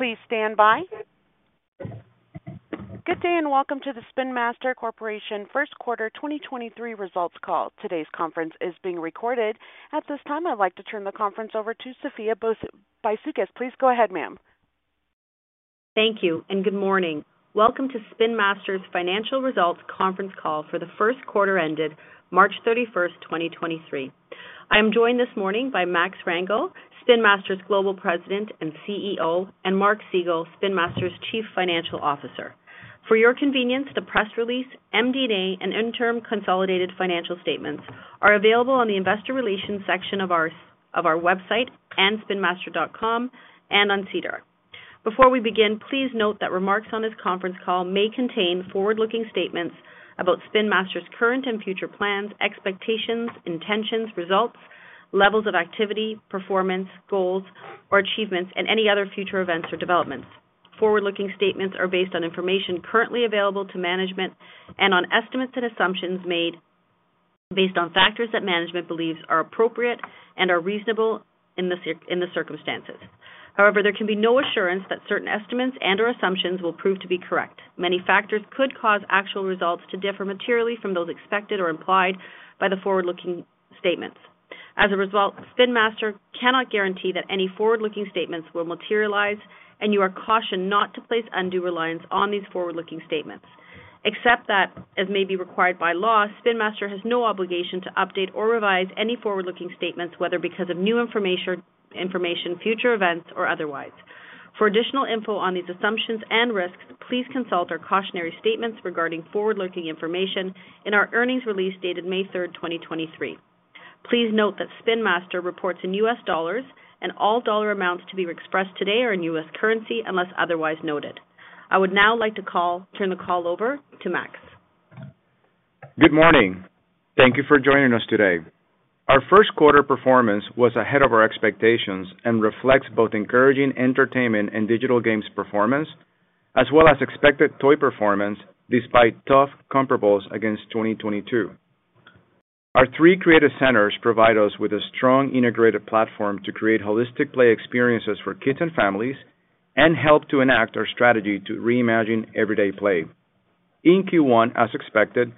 Please stand by. Good day, and welcome to the Spin Master Corp. Q1 2023 Results Call. Today's conference is being recorded. At this time, I'd like to turn the conference over to Sophia Bisoukis. Please go ahead, ma'am. Thank you. Good morning. Welcome to Spin Master's Financial Results Conference call for the Q1 ended March 31, 2023. I am joined this morning by Max Rangel, Spin Master's Global President and CEO, and Mark Segal, Spin Master's Chief Financial Officer. For your convenience, the press release, MD&A, and interim consolidated financial statements are available on the investor relations section of our website and spinmaster.com and on SEDAR. Before we begin, please note that remarks on this conference call may contain forward-looking statements about Spin Master's current and future plans, expectations, intentions, results, levels of activity, performance, goals or achievements, and any other future events or developments. Forward-looking statements are based on information currently available to management and on estimates and assumptions made based on factors that management believes are appropriate and are reasonable in the circumstances. However, there can be no assurance that certain estimates and, or assumptions will prove to be correct. Many factors could cause actual results to differ materially from those expected or implied by the forward-looking statements. As a result, Spin Master cannot guarantee that any forward-looking statements will materialize, and you are cautioned not to place undue reliance on these forward-looking statements. Except that, as may be required by law, Spin Master has no obligation to update or revise any forward-looking statements, whether because of new information, future events, or otherwise. For additional info on these assumptions and risks, please consult our cautionary statements regarding forward-looking information in our earnings release dated May 3, 2023. Please note that Spin Master reports in US dollars and all dollar amounts to be expressed today are in US currency unless otherwise noted. I would now like to turn the call over to Max. Good morning. Thank you for joining us today. Our Q1 performance was ahead of our expectations and reflects both encouraging entertainment and digital games performance, as well as expected toy performance despite tough comparables against 2022. Our three creative centers provide us with a strong integrated platform to create holistic play experiences for kids and families and help to enact our strategy to reimagine everyday play. In Q1, as expected,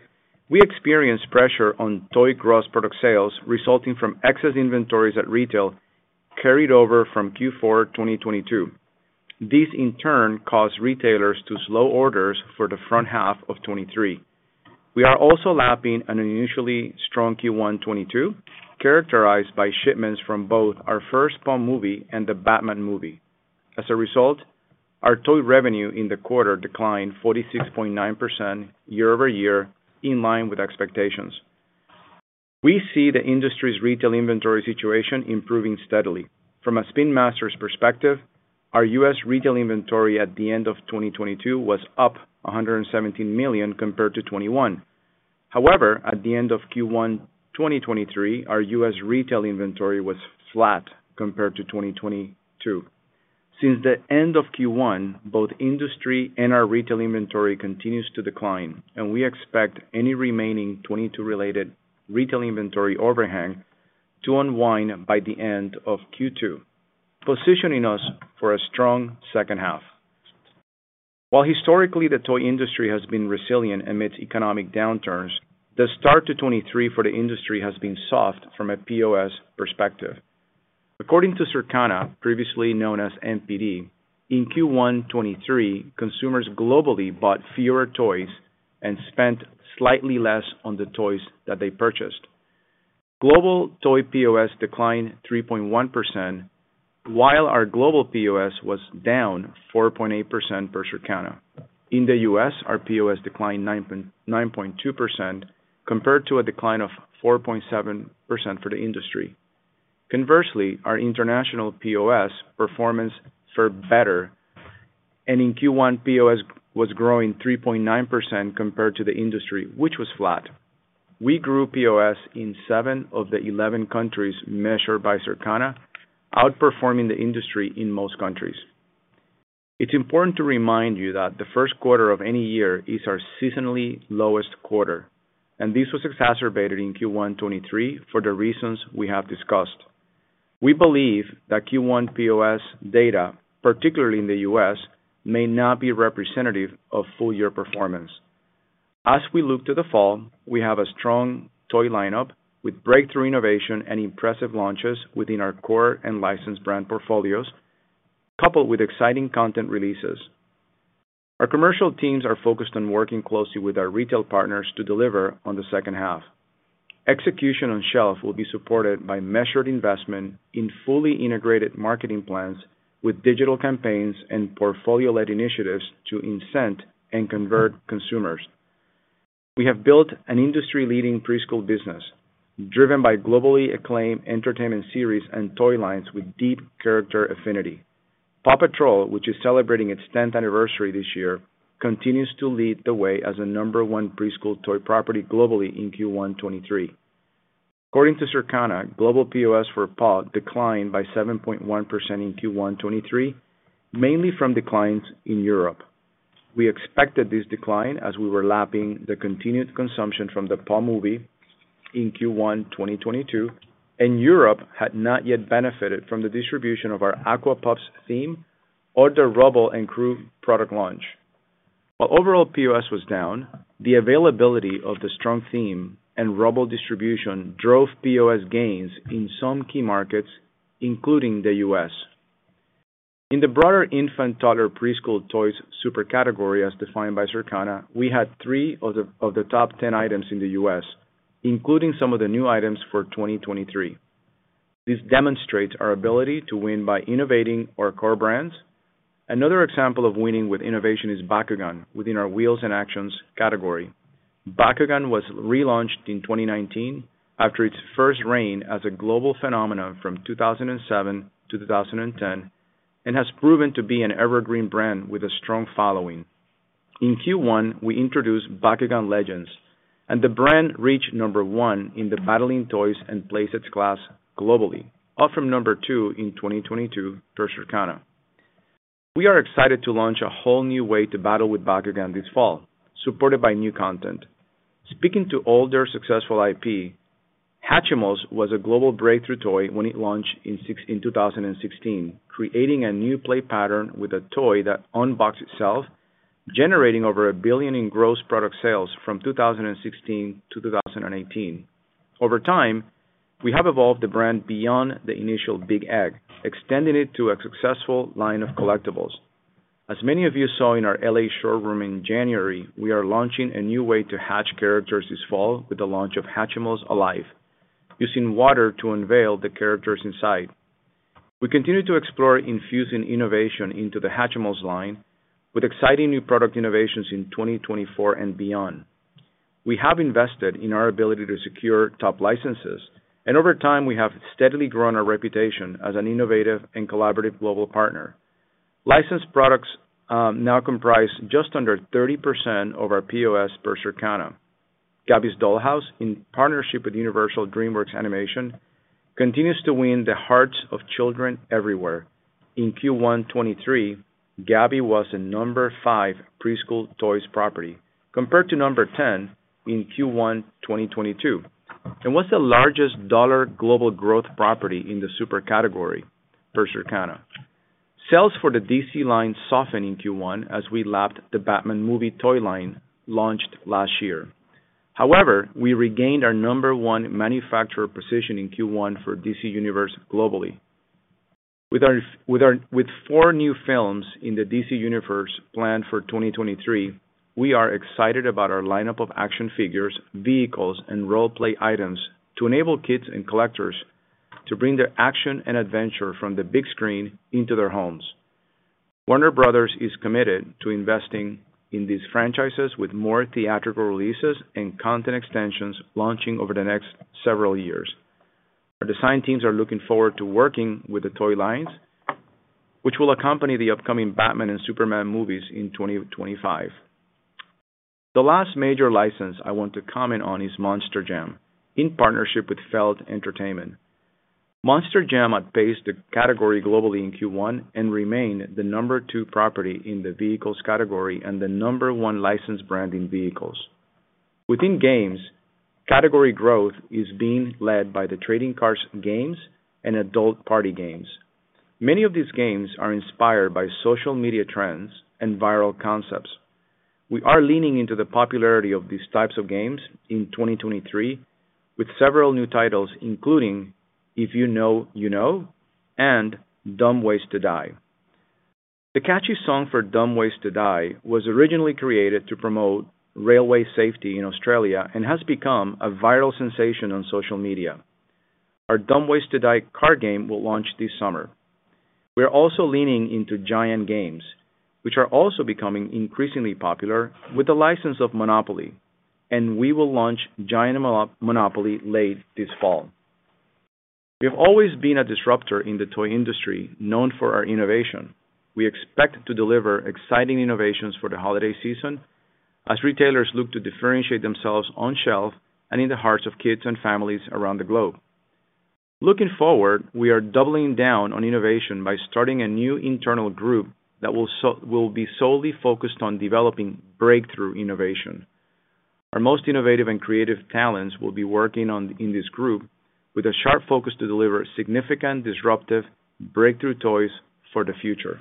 we experienced pressure on toy gross product sales resulting from excess inventories at retail carried over from Q4 2022. This in turn caused retailers to slow orders for the front half of 2023. We are also lapping an unusually strong Q1 2022, characterized by shipments from both our first PAW movie and the Batman movie. Our toy revenue in the quarter declined 46.9% year-over-year, in line with expectations. We see the industry's retail inventory situation improving steadily. From a Spin Master's perspective, our U.S. retail inventory at the end of 2022 was up $117 million compared to 2021. However, at the end of Q1 2023, our U.S. retail inventory was flat compared to 2022. Since the end of Q1, both industry and our retail inventory continues to decline, and we expect any remaining 2022 related retail inventory overhang to unwind by the end of Q2, positioning us for a strong second half. While historically, the toy industry has been resilient amidst economic downturns, the start to 2023 for the industry has been soft from a POS perspective. According to Circana, previously known as NPD, in Q1 2023, consumers globally bought fewer toys and spent slightly less on the toys that they purchased. Global toy POS declined 3.1%, while our global POS was down 4.8% for Circana. In the U.S., our POS declined 9.2% compared to a decline of 4.7% for the industry. Our international POS performance fared better, and in Q1, POS was growing 3.9% compared to the industry, which was flat. We grew POS in seven of the 11 countries measured by Circana, outperforming the industry in most countries. It's important to remind you that the Q1 of any year is our seasonally lowest quarter, and this was exacerbated in Q1 2023 for the reasons we have discussed. We believe that Q1 POS data, particularly in the U.S., may not be representative of full year performance. As we look to the fall, we have a strong toy lineup with breakthrough innovation and impressive launches within our core and licensed brand portfolios, coupled with exciting content releases. Our commercial teams are focused on working closely with our retail partners to deliver on the second half. Execution on shelf will be supported by measured investment in fully integrated marketing plans with digital campaigns and portfolio-led initiatives to incent and convert consumers. We have built an industry leading preschool business driven by globally acclaimed entertainment series and toy lines with deep character affinity. PAW Patrol, which is celebrating its 10th anniversary this year, continues to lead the way as a number one preschool toy property globally in Q1 2023. According to Circana, global POS for Paw declined by 7.1% in Q1 2023, mainly from declines in Europe. We expected this decline as we were lapping the continued consumption from the Paw movie in Q1 2022, and Europe had not yet benefited from the distribution of our Aqua Pups theme or the Rubble & Crew product launch. While overall POS was down, the availability of the strong theme and Rubble distribution drove POS gains in some key markets, including the U.S. In the broader infant, toddler, preschool toys super category as defined by Circana, we had 3 of the top 10 items in the U.S., including some of the new items for 2023. This demonstrates our ability to win by innovating our core brands. Another example of winning with innovation is Bakugan within our wheels and actions category. Bakugan was relaunched in 2019 after its first reign as a global phenomenon from 2007 to 2010, and has proven to be an evergreen brand with a strong following. In Q1, we introduced Bakugan Legends, and the brand reached number 1 in the battling toys and playsets class globally, up from number two in 2022 per Circana. We are excited to launch a whole new way to battle with Bakugan this fall, supported by new content. Speaking to older successful IP, Hatchimals was a global breakthrough toy when it launched in 2016, creating a new play pattern with a toy that unboxed itself, generating over $1 billion in gross product sales from 2016 to 2018. Over time, we have evolved the brand beyond the initial big egg, extending it to a successful line of collectibles. As many of you saw in our L.A. showroom in January, we are launching a new way to hatch characters this fall with the launch of Hatchimals Alive, using water to unveil the characters inside. We continue to explore infusing innovation into the Hatchimals line with exciting new product innovations in 2024 and beyond. We have invested in our ability to secure top licenses, and over time, we have steadily grown our reputation as an innovative and collaborative global partner. Licensed products now comprise just under 30% of our POS per Circana. Gabby's Dollhouse, in partnership with Universal DreamWorks Animation, continues to win the hearts of children everywhere. In Q1 2023, Gabby was the number 5 preschool toys property, compared to number 10 in Q1 2022, and was the largest dollar global growth property in the super category per Circana. Sales for the DC line softened in Q1 as we lapped the Batman movie toy line launched last year. However, we regained our number one manufacturer position in Q1 for DC Universe globally. With four new films in the DC Universe planned for 2023, we are excited about our lineup of action figures, vehicles, and role-play items to enable kids and collectors to bring their action and adventure from the big screen into their homes. Warner Bros. is committed to investing in these franchises with more theatrical releases and content extensions launching over the next several years. Our design teams are looking forward to working with the toy lines, which will accompany the upcoming Batman and Superman movies in 2025. The last major license I want to comment on is Monster Jam, in partnership with Feld Entertainment. Monster Jam outpaced the category globally in Q1 and remained the number two property in the vehicles category and the number one licensed brand in vehicles. Within games, category growth is being led by the trading cards games and adult party games. Many of these games are inspired by social media trends and viral concepts. We are leaning into the popularity of these types of games in 2023 with several new titles, including If You Know, You Know and Dumb Ways to Die. The catchy song for Dumb Ways to Die was originally created to promote railway safety in Australia and has become a viral sensation on social media. Our Dumb Ways to Die card game will launch this summer. We're also leaning into giant games, which are also becoming increasingly popular with the license of Monopoly, and we will launch Giant Monopoly late this fall. We have always been a disruptor in the toy industry, known for our innovation. We expect to deliver exciting innovations for the holiday season as retailers look to differentiate themselves on shelf and in the hearts of kids and families around the globe. Looking forward, we are doubling down on innovation by starting a new internal group that will be solely focused on developing breakthrough innovation. Our most innovative and creative talents will be working in this group with a sharp focus to deliver significant, disruptive breakthrough toys for the future.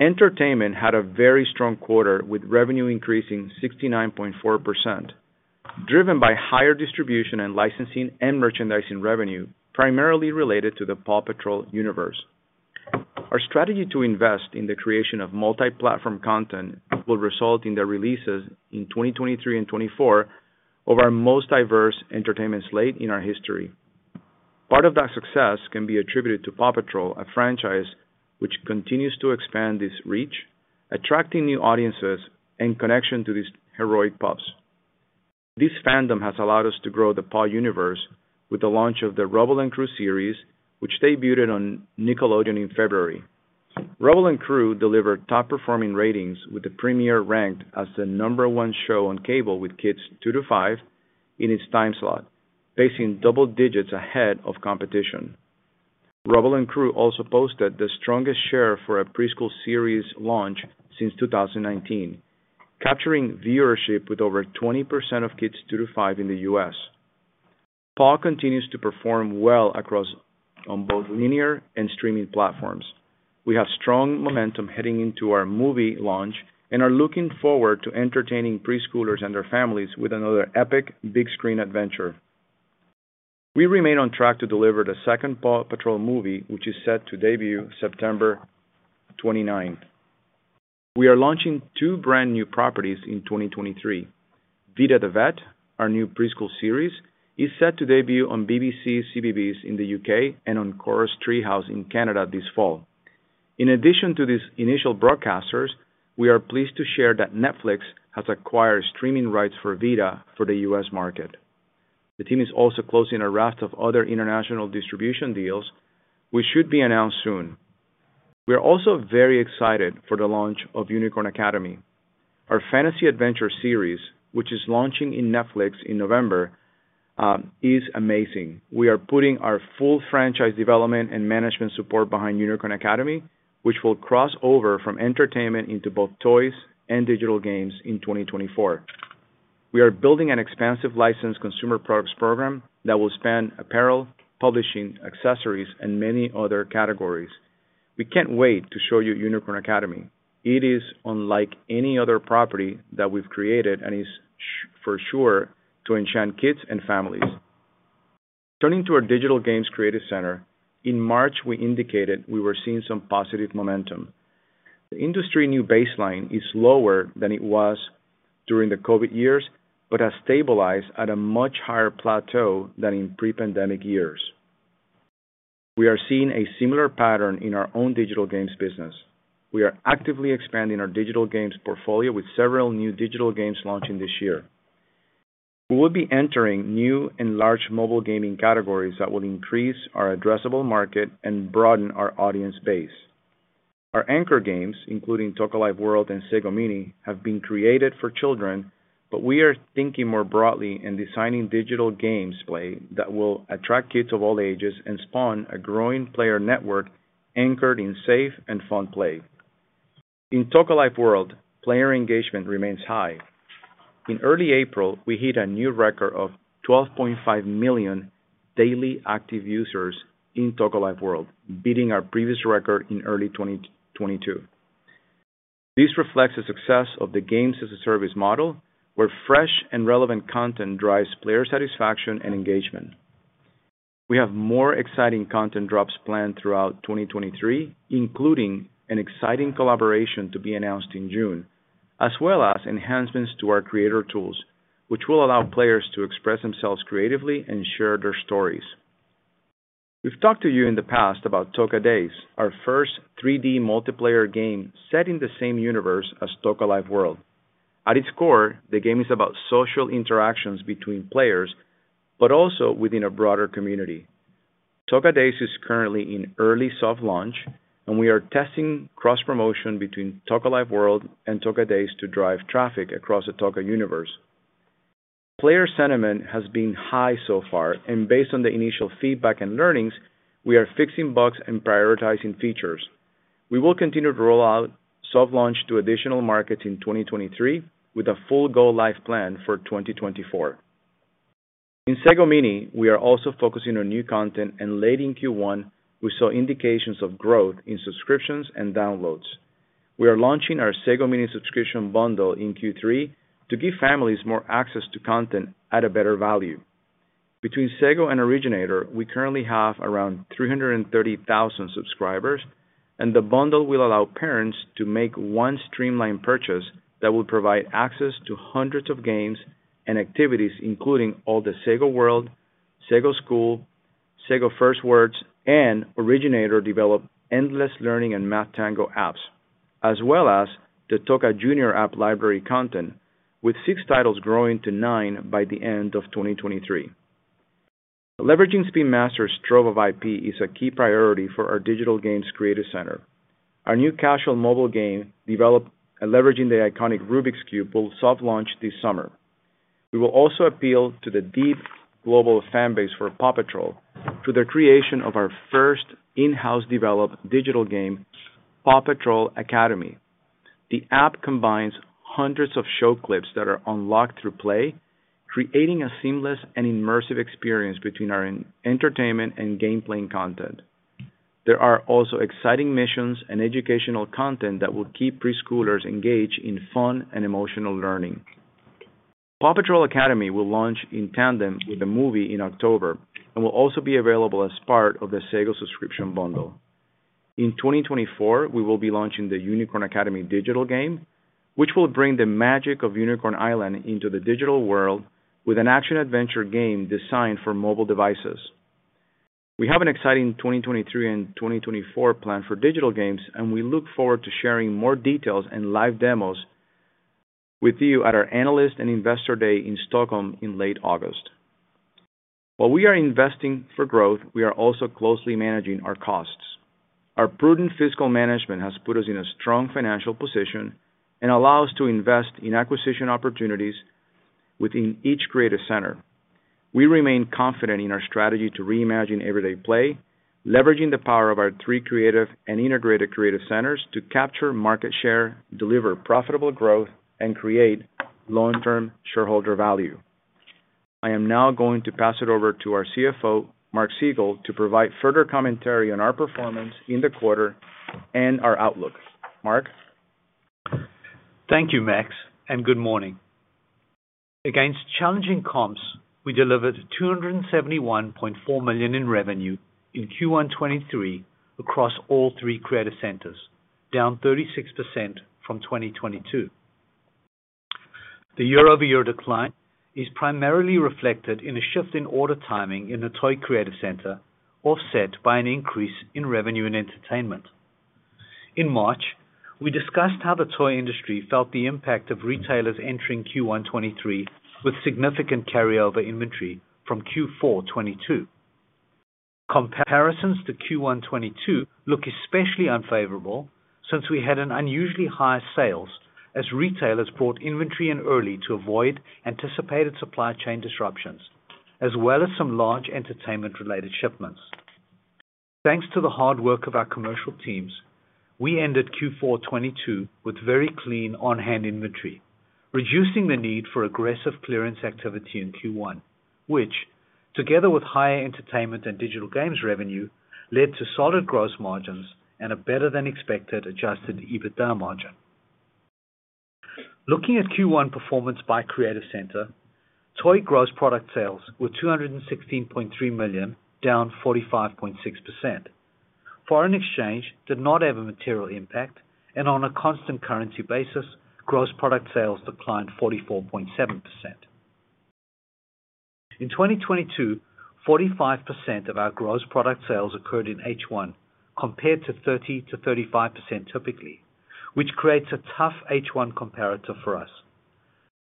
Entertainment had a very strong quarter, with revenue increasing 69.4%, driven by higher distribution and licensing and merchandising revenue, primarily related to the PAW Patrol universe. Our strategy to invest in the creation of multi-platform content will result in the releases in 2023 and 2024 of our most diverse entertainment slate in our history. Part of that success can be attributed to PAW Patrol, a franchise which continues to expand its reach, attracting new audiences in connection to these heroic pups. This fandom has allowed us to grow the PAW universe with the launch of the Rubble & Crew series, which debuted on Nickelodeon in February. Rubble & Crew delivered top-performing ratings with the premiere ranked as the number one show on cable with kids 2-5 in its time slot, placing double digits ahead of competition. Rubble & Crew also posted the strongest share for a preschool series launch since 2019, capturing viewership with over 20% of kids 2-5 in the U.S. Paw continues to perform well across on both linear and streaming platforms. We have strong momentum heading into our movie launch and are looking forward to entertaining preschoolers and their families with another epic big screen adventure. We remain on track to deliver the second PAW Patrol movie, which is set to debut September 29. We are launching two brand new properties in 2023. Vida the Vet, our new preschool series, is set to debut on BBC CBeebies in the U.K. and on Corus Treehouse in Canada this fall. In addition to these initial broadcasters, we are pleased to share that Netflix has acquired streaming rights for Vida for the U.S. market. The team is also closing a raft of other international distribution deals which should be announced soon. We are also very excited for the launch of Unicorn Academy. Our fantasy adventure series, which is launching in Netflix in November, is amazing. We are putting our full franchise development and management support behind Unicorn Academy, which will cross over from entertainment into both toys and digital games in 2024. We are building an expansive licensed consumer products program that will span apparel, publishing, accessories, and many other categories. We can't wait to show you Unicorn Academy. It is unlike any other property that we've created and is for sure to enchant kids and families. Turning to our digital games creative center, in March, we indicated we were seeing some positive momentum. The industry new baseline is lower than it was during the COVID years, but has stabilized at a much higher plateau than in pre-pandemic years. We are seeing a similar pattern in our own digital games business. We are actively expanding our digital games portfolio with several new digital games launching this year. We will be entering new and large mobile gaming categories that will increase our addressable market and broaden our audience base. Our anchor games, including Toca Life World and Sago Mini, have been created for children. We are thinking more broadly in designing digital games play that will attract kids of all ages and spawn a growing player network anchored in safe and fun play. In Toca Life World, player engagement remains high. In early April, we hit a new record of 12.5 million daily active users in Toca Life World, beating our previous record in early 2022. This reflects the success of the games-as-a-service model, where fresh and relevant content drives player satisfaction and engagement. We have more exciting content drops planned throughout 2023, including an exciting collaboration to be announced in June, as well as enhancements to our creator tools, which will allow players to express themselves creatively and share their stories. We've talked to you in the past about Toca Days, our first 3D multiplayer game set in the same universe as Toca Life World. At its core, the game is about social interactions between players but also within a broader community. Toca Days is currently in early soft launch. We are testing cross-promotion between Toca Life World and Toca Days to drive traffic across the Toca universe. Player sentiment has been high so far. Based on the initial feedback and learnings, we are fixing bugs and prioritizing features. We will continue to roll out soft launch to additional markets in 2023 with a full go live plan for 2024. In Sago Mini, we are also focusing on new content. Late in Q1, we saw indications of growth in subscriptions and downloads. We are launching our Sago Mini subscription bundle in Q3 to give families more access to content at a better value. Between Sago and Originator, we currently have around 330,000 subscribers. The bundle will allow parents to make one streamlined purchase that will provide access to hundreds of games and activities, including all the Sago Mini World, Sago Mini School, Sago Mini First Words, and Originator-developed Endless Learning Academy and MathTango apps, as well as the Toca Boca Jr app library content with six titles growing to nine by the end of 2023. Leveraging Spin Master's trove of IP is a key priority for our digital games creative center. Our new casual mobile game developed and leveraging the iconic Rubik's Cube will soft launch this summer. We will also appeal to the deep global fan base for PAW Patrol through their creation of our first in-house developed digital game, PAW Patrol Academy. The app combines hundreds of show clips that are unlocked through play, creating a seamless and immersive experience between our entertainment and game playing content. There are also exciting missions and educational content that will keep preschoolers engaged in fun and emotional learning. PAW Patrol Academy will launch in tandem with the movie in October and will also be available as part of the Sago subscription bundle. In 2024, we will be launching the Unicorn Academy digital game, which will bring the magic of Unicorn Island into the digital world with an action-adventure game designed for mobile devices. We have an exciting 2023 and 2024 plan for digital games, and we look forward to sharing more details and live demos with you at our Analyst and Investor Day in Stockholm in late August. While we are investing for growth, we are also closely managing our costs. Our prudent fiscal management has put us in a strong financial position and allow us to invest in acquisition opportunities within each creative center. We remain confident in our strategy to reimagine everyday play, leveraging the power of our three creative and integrated creative centers to capture market share, deliver profitable growth, and create long-term shareholder value. I am now going to pass it over to our CFO, Mark Segal, to provide further commentary on our performance in the quarter and our outlook. Mark? Thank you, Max, and good morning. Against challenging comps, we delivered $271.4 million in revenue in Q1 '2023 across all three creative centers, down 36% from 2022. The year-over-year decline is primarily reflected in a shift in order timing in the toy creative center, offset by an increase in revenue and entertainment. In March, we discussed how the toy industry felt the impact of retailers entering Q1 '2023 with significant carryover inventory from Q4 '2022. Comparisons to Q1 '2022 look especially unfavorable since we had an unusually high sales as retailers brought inventory in early to avoid anticipated supply chain disruptions, as well as some large entertainment-related shipments. Thanks to the hard work of our commercial teams, we ended Q4 2022 with very clean on-hand inventory, reducing the need for aggressive clearance activity in Q1, which, together with higher entertainment and digital games revenue, led to solid gross margins and a better than expected Adjusted EBITDA margin. Looking at Q1 performance by creative center, toy gross product sales were $216.3 million, down 45.6%. Foreign exchange did not have a material impact, and on a constant currency basis, gross product sales declined 44.7%. In 2022, 45% of our gross product sales occurred in H1 compared to 30%-35% typically, which creates a tough H1 comparator for us.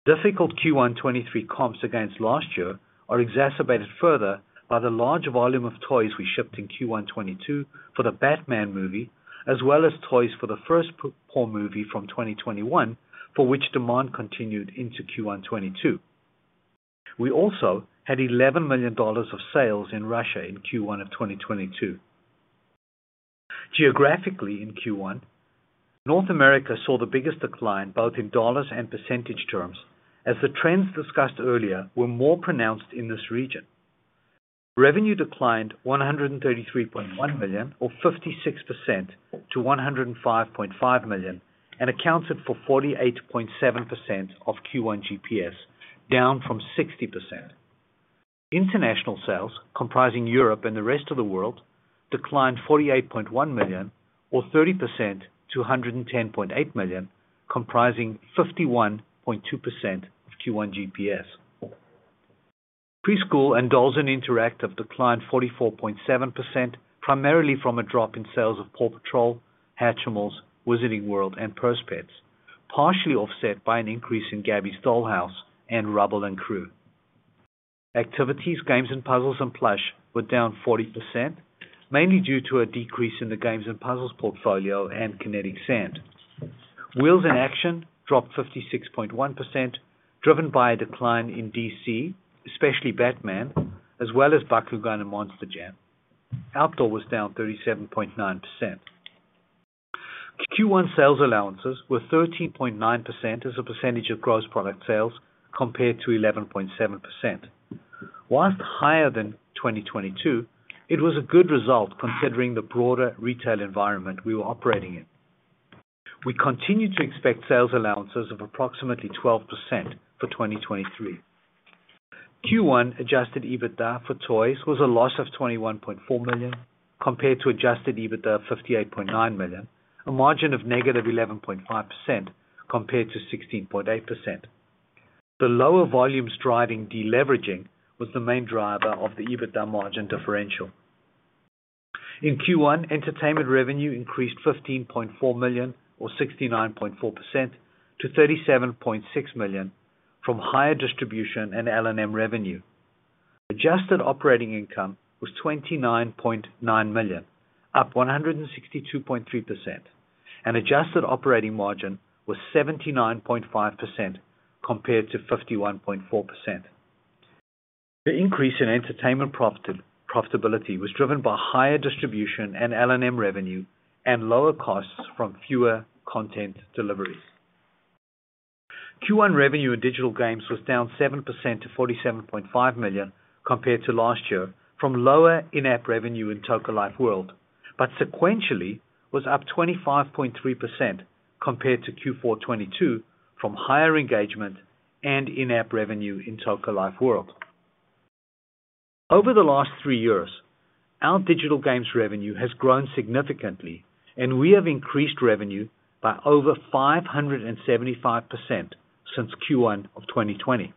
Difficult Q1 '2023 comps against last year are exacerbated further by the large volume of toys we shipped in Q1 '2022 for the Batman movie, as well as toys for the first PAW movie from 2021, for which demand continued into Q1 '2022. We also had $11 million of sales in Russia in Q1 of 2022. Geographically in Q1, North America saw the biggest decline, both in dollars and % terms, as the trends discussed earlier were more pronounced in this region. Revenue declined $133.1 million or 56% to $105.5 million and accounted for 48.7% of Q1 GPS, down from 60%. International sales, comprising Europe and the rest of the world, declined $48.1 million or 30% to $110.8 million, comprising 51.2% of Q1 GPS. Preschool and dolls and interactive declined 44.7%, primarily from a drop in sales of PAW Patrol, Hatchimals, Wizarding World, and Purse Pets, partially offset by an increase in Gabby's Dollhouse and Rubble & Crew. Activities, games and puzzles, and plush were down 40%, mainly due to a decrease in the games and puzzles portfolio and Kinetic Sand. Wheels in action dropped 56.1%, driven by a decline in DC, especially Batman, as well as Bakugan and Monster Jam. Outdoor was down 37.9%. Q1 sales allowances were 13.9% as a percentage of gross product sales compared to 11.7%. Whilst higher than 2022, it was a good result considering the broader retail environment we were operating in. We continue to expect sales allowances of approximately 12% for 2023. Q1 Adjusted EBITDA for Toys was a loss of $21.4 million compared to Adjusted EBITDA of $58.9 million, a margin of -11.5% compared to 16.8%. The lower volumes driving deleveraging was the main driver of the EBITDA margin differential. In Q1, entertainment revenue increased $15.4 million or 69.4% to $37.6 million from higher distribution and LNM revenue. Adjusted operating income was $29.9 million, up 162.3%, and adjusted operating margin was 79.5% compared to 51.4%. The increase in entertainment profitability was driven by higher distribution and LNM revenue and lower costs from fewer content deliveries. Q1 revenue in digital games was down 7% to $47.5 million compared to last year from lower in-app revenue in Toca Life World, sequentially was up 25.3% compared to Q4 '2022 from higher engagement and in-app revenue in Toca Life World. Over the last three years, our digital games revenue has grown significantly and we have increased revenue by over 575% since Q1 of 2020.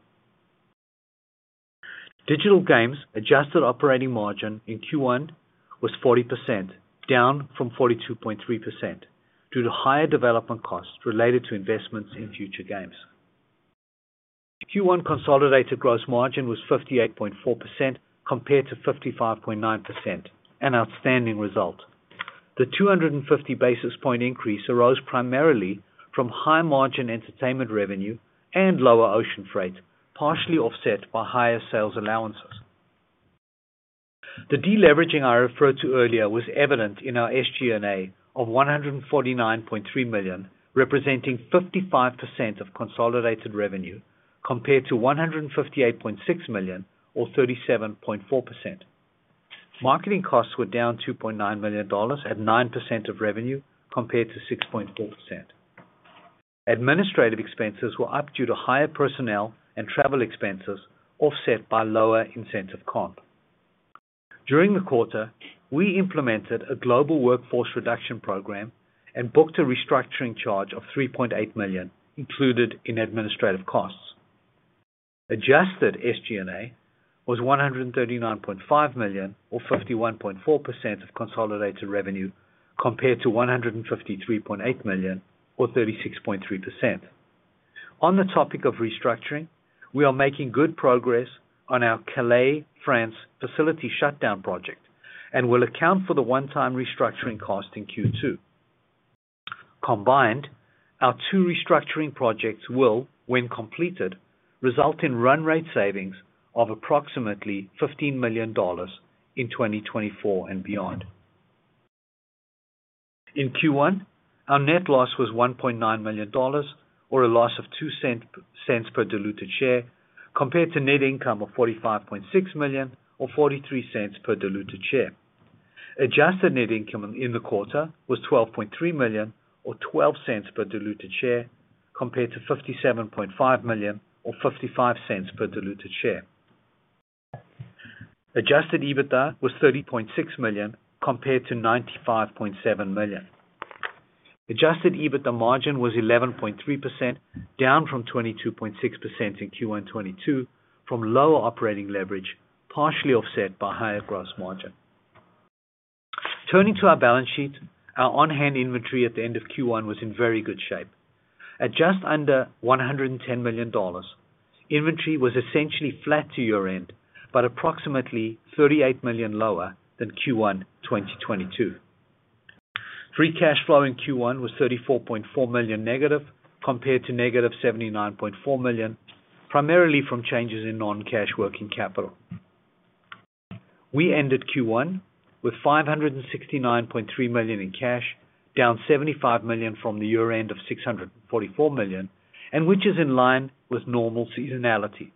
Digital games adjusted operating margin in Q1 was 40%, down from 42.3%, due to higher development costs related to investments in future games. Q1 consolidated gross margin was 58.4% compared to 55.9%, an outstanding result. The 250 basis point increase arose primarily from high margin entertainment revenue and lower ocean freight, partially offset by higher sales allowances. The deleveraging I referred to earlier was evident in our SG&A of $149.3 million, representing 55% of consolidated revenue compared to $158.6 million or 37.4%. Marketing costs were down $2.9 million at 9% of revenue compared to 6.4%. Administrative expenses were up due to higher personnel and travel expenses, offset by lower incentive comp. During the quarter, we implemented a global workforce reduction program and booked a restructuring charge of $3.8 million included in administrative costs. Adjusted SG&A was $139.5 million or 51.4% of consolidated revenue compared to $153.8 million or 36.3%. On the topic of restructuring, we are making good progress on our Calais, France facility shutdown project and will account for the one-time restructuring cost in Q2. Combined, our two restructuring projects will, when completed, result in run rate savings of approximately $15 million in 2024 and beyond. In Q1, our net loss was $1.9 million or a loss of $0.02 per diluted share compared to net income of $45.6 million or $0.43 per diluted share. Adjusted net income in the quarter was $12.3 million or $0.12 per diluted share compared to $57.5 million or $0.55 per diluted share. Adjusted EBITDA was $30.6 million compared to $95.7 million. Adjusted EBITDA margin was 11.3%, down from 22.6% in Q1 2022 from lower operating leverage, partially offset by higher gross margin. Turning to our balance sheet, our on-hand inventory at the end of Q1 was in very good shape. At just under $110 million, inventory was essentially flat to year-end, but approximately $38 million lower than Q1 2022. Free cash flow in Q1 was $34.4 million negative compared to negative $79.4 million, primarily from changes in non-cash working capital. We ended Q1 with $569.3 million in cash, down $75 million from the year-end of $644 million, and which is in line with normal seasonality.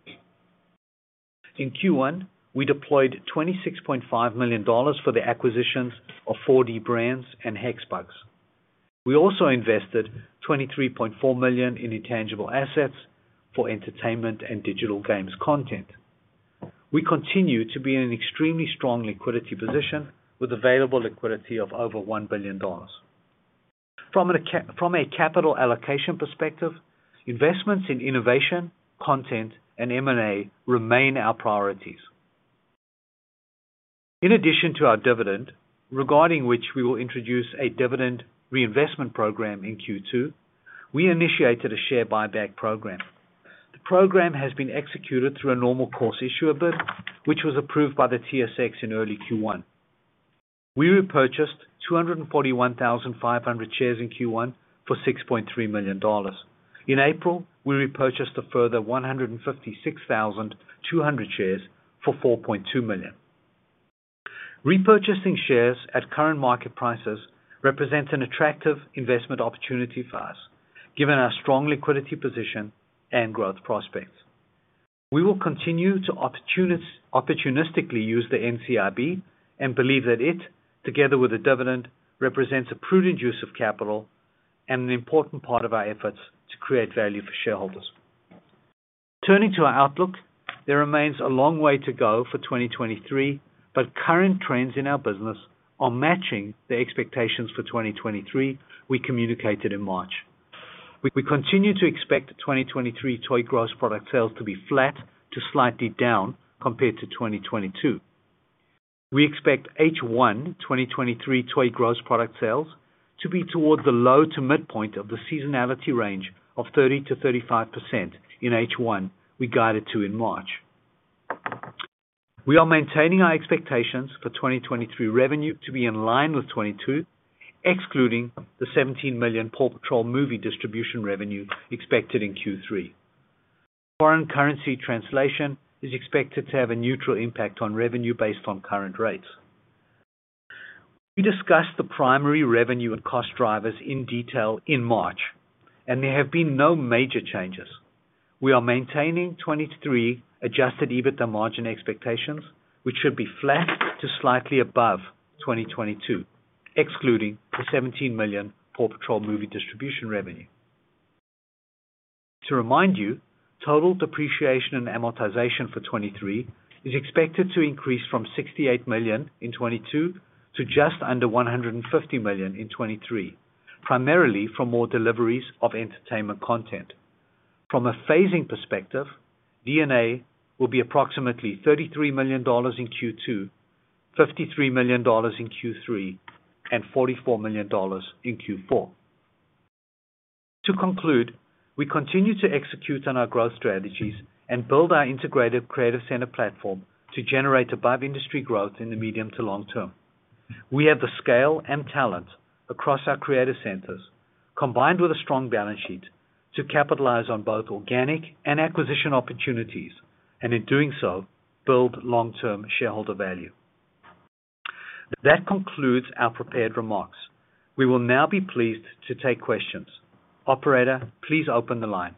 In Q1, we deployed $26.5 million for the acquisitions of 4D Brands and Hexbug. We also invested $23.4 million in intangible assets for entertainment and digital games content. We continue to be in an extremely strong liquidity position with available liquidity of over $1 billion. From a capital allocation perspective, investments in innovation, content, and M&A remain our priorities. In addition to our dividend, regarding which we will introduce a dividend reinvestment program in Q2, we initiated a share buyback program. The program has been executed through a normal course issuer bid, which was approved by the TSX in early Q1. We repurchased 241,500 shares in Q1 for $6.3 million. In April, we repurchased a further 156,200 shares for $4.2 million. Repurchasing shares at current market prices represents an attractive investment opportunity for us, given our strong liquidity position and growth prospects. We will continue to opportunistically use the NCIB and believe that it, together with the dividend, represents a prudent use of capital and an important part of our efforts to create value for shareholders. Turning to our outlook, there remains a long way to go for 2023, but current trends in our business are matching the expectations for 2023 we communicated in March. We continue to expect 2023 toy gross product sales to be flat to slightly down compared to 2022. We expect H1 2023 toy gross product sales to be toward the low to midpoint of the seasonality range of 30%-35% in H1 we guided to in March. We are maintaining our expectations for 2023 revenue to be in line with 2022, excluding the $17 million PAW Patrol movie distribution revenue expected in Q3. Foreign currency translation is expected to have a neutral impact on revenue based on current rates. We discussed the primary revenue and cost drivers in detail in March, and there have been no major changes. We are maintaining 2023 Adjusted EBITDA margin expectations, which should be flat to slightly above 2022, excluding the $17 million PAW Patrol movie distribution revenue. To remind you, total depreciation and amortization for 2023 is expected to increase from $68 million in 2022 to just under $150 million in 2023, primarily from more deliveries of entertainment content. From a phasing perspective, D&A will be approximately $33 million in Q2, $53 million in Q3 and $44 million in Q4. To conclude, we continue to execute on our growth strategies and build our integrated creative center platform to generate above industry growth in the medium to long term. We have the scale and talent across our creative centers, combined with a strong balance sheet to capitalize on both organic and acquisition opportunities, and in doing so, build long-term shareholder value. That concludes our prepared remarks. We will now be pleased to take questions. Operator, please open the line.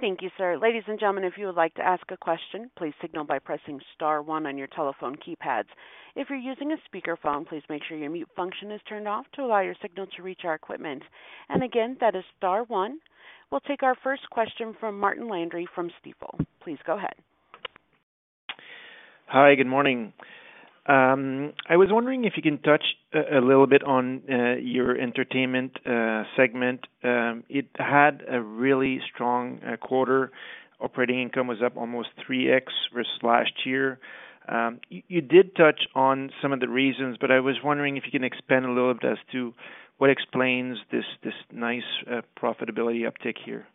Thank you, sir. Ladies and gentlemen, if you would like to ask a question, please signal by pressing star one on your telephone keypads. If you're using a speakerphone, please make sure your mute function is turned off to allow your signal to reach our equipment. again, that is star one. We'll take our first question from Martin Landry from Stifel. Please go ahead. Hi. Good morning. I was wondering if you can touch a little bit on your entertainment segment. It had a really strong quarter. Operating income was up almost 3x versus last year. You did touch on some of the reasons, but I was wondering if you can expand a little bit as to what explains this nice profitability uptick here.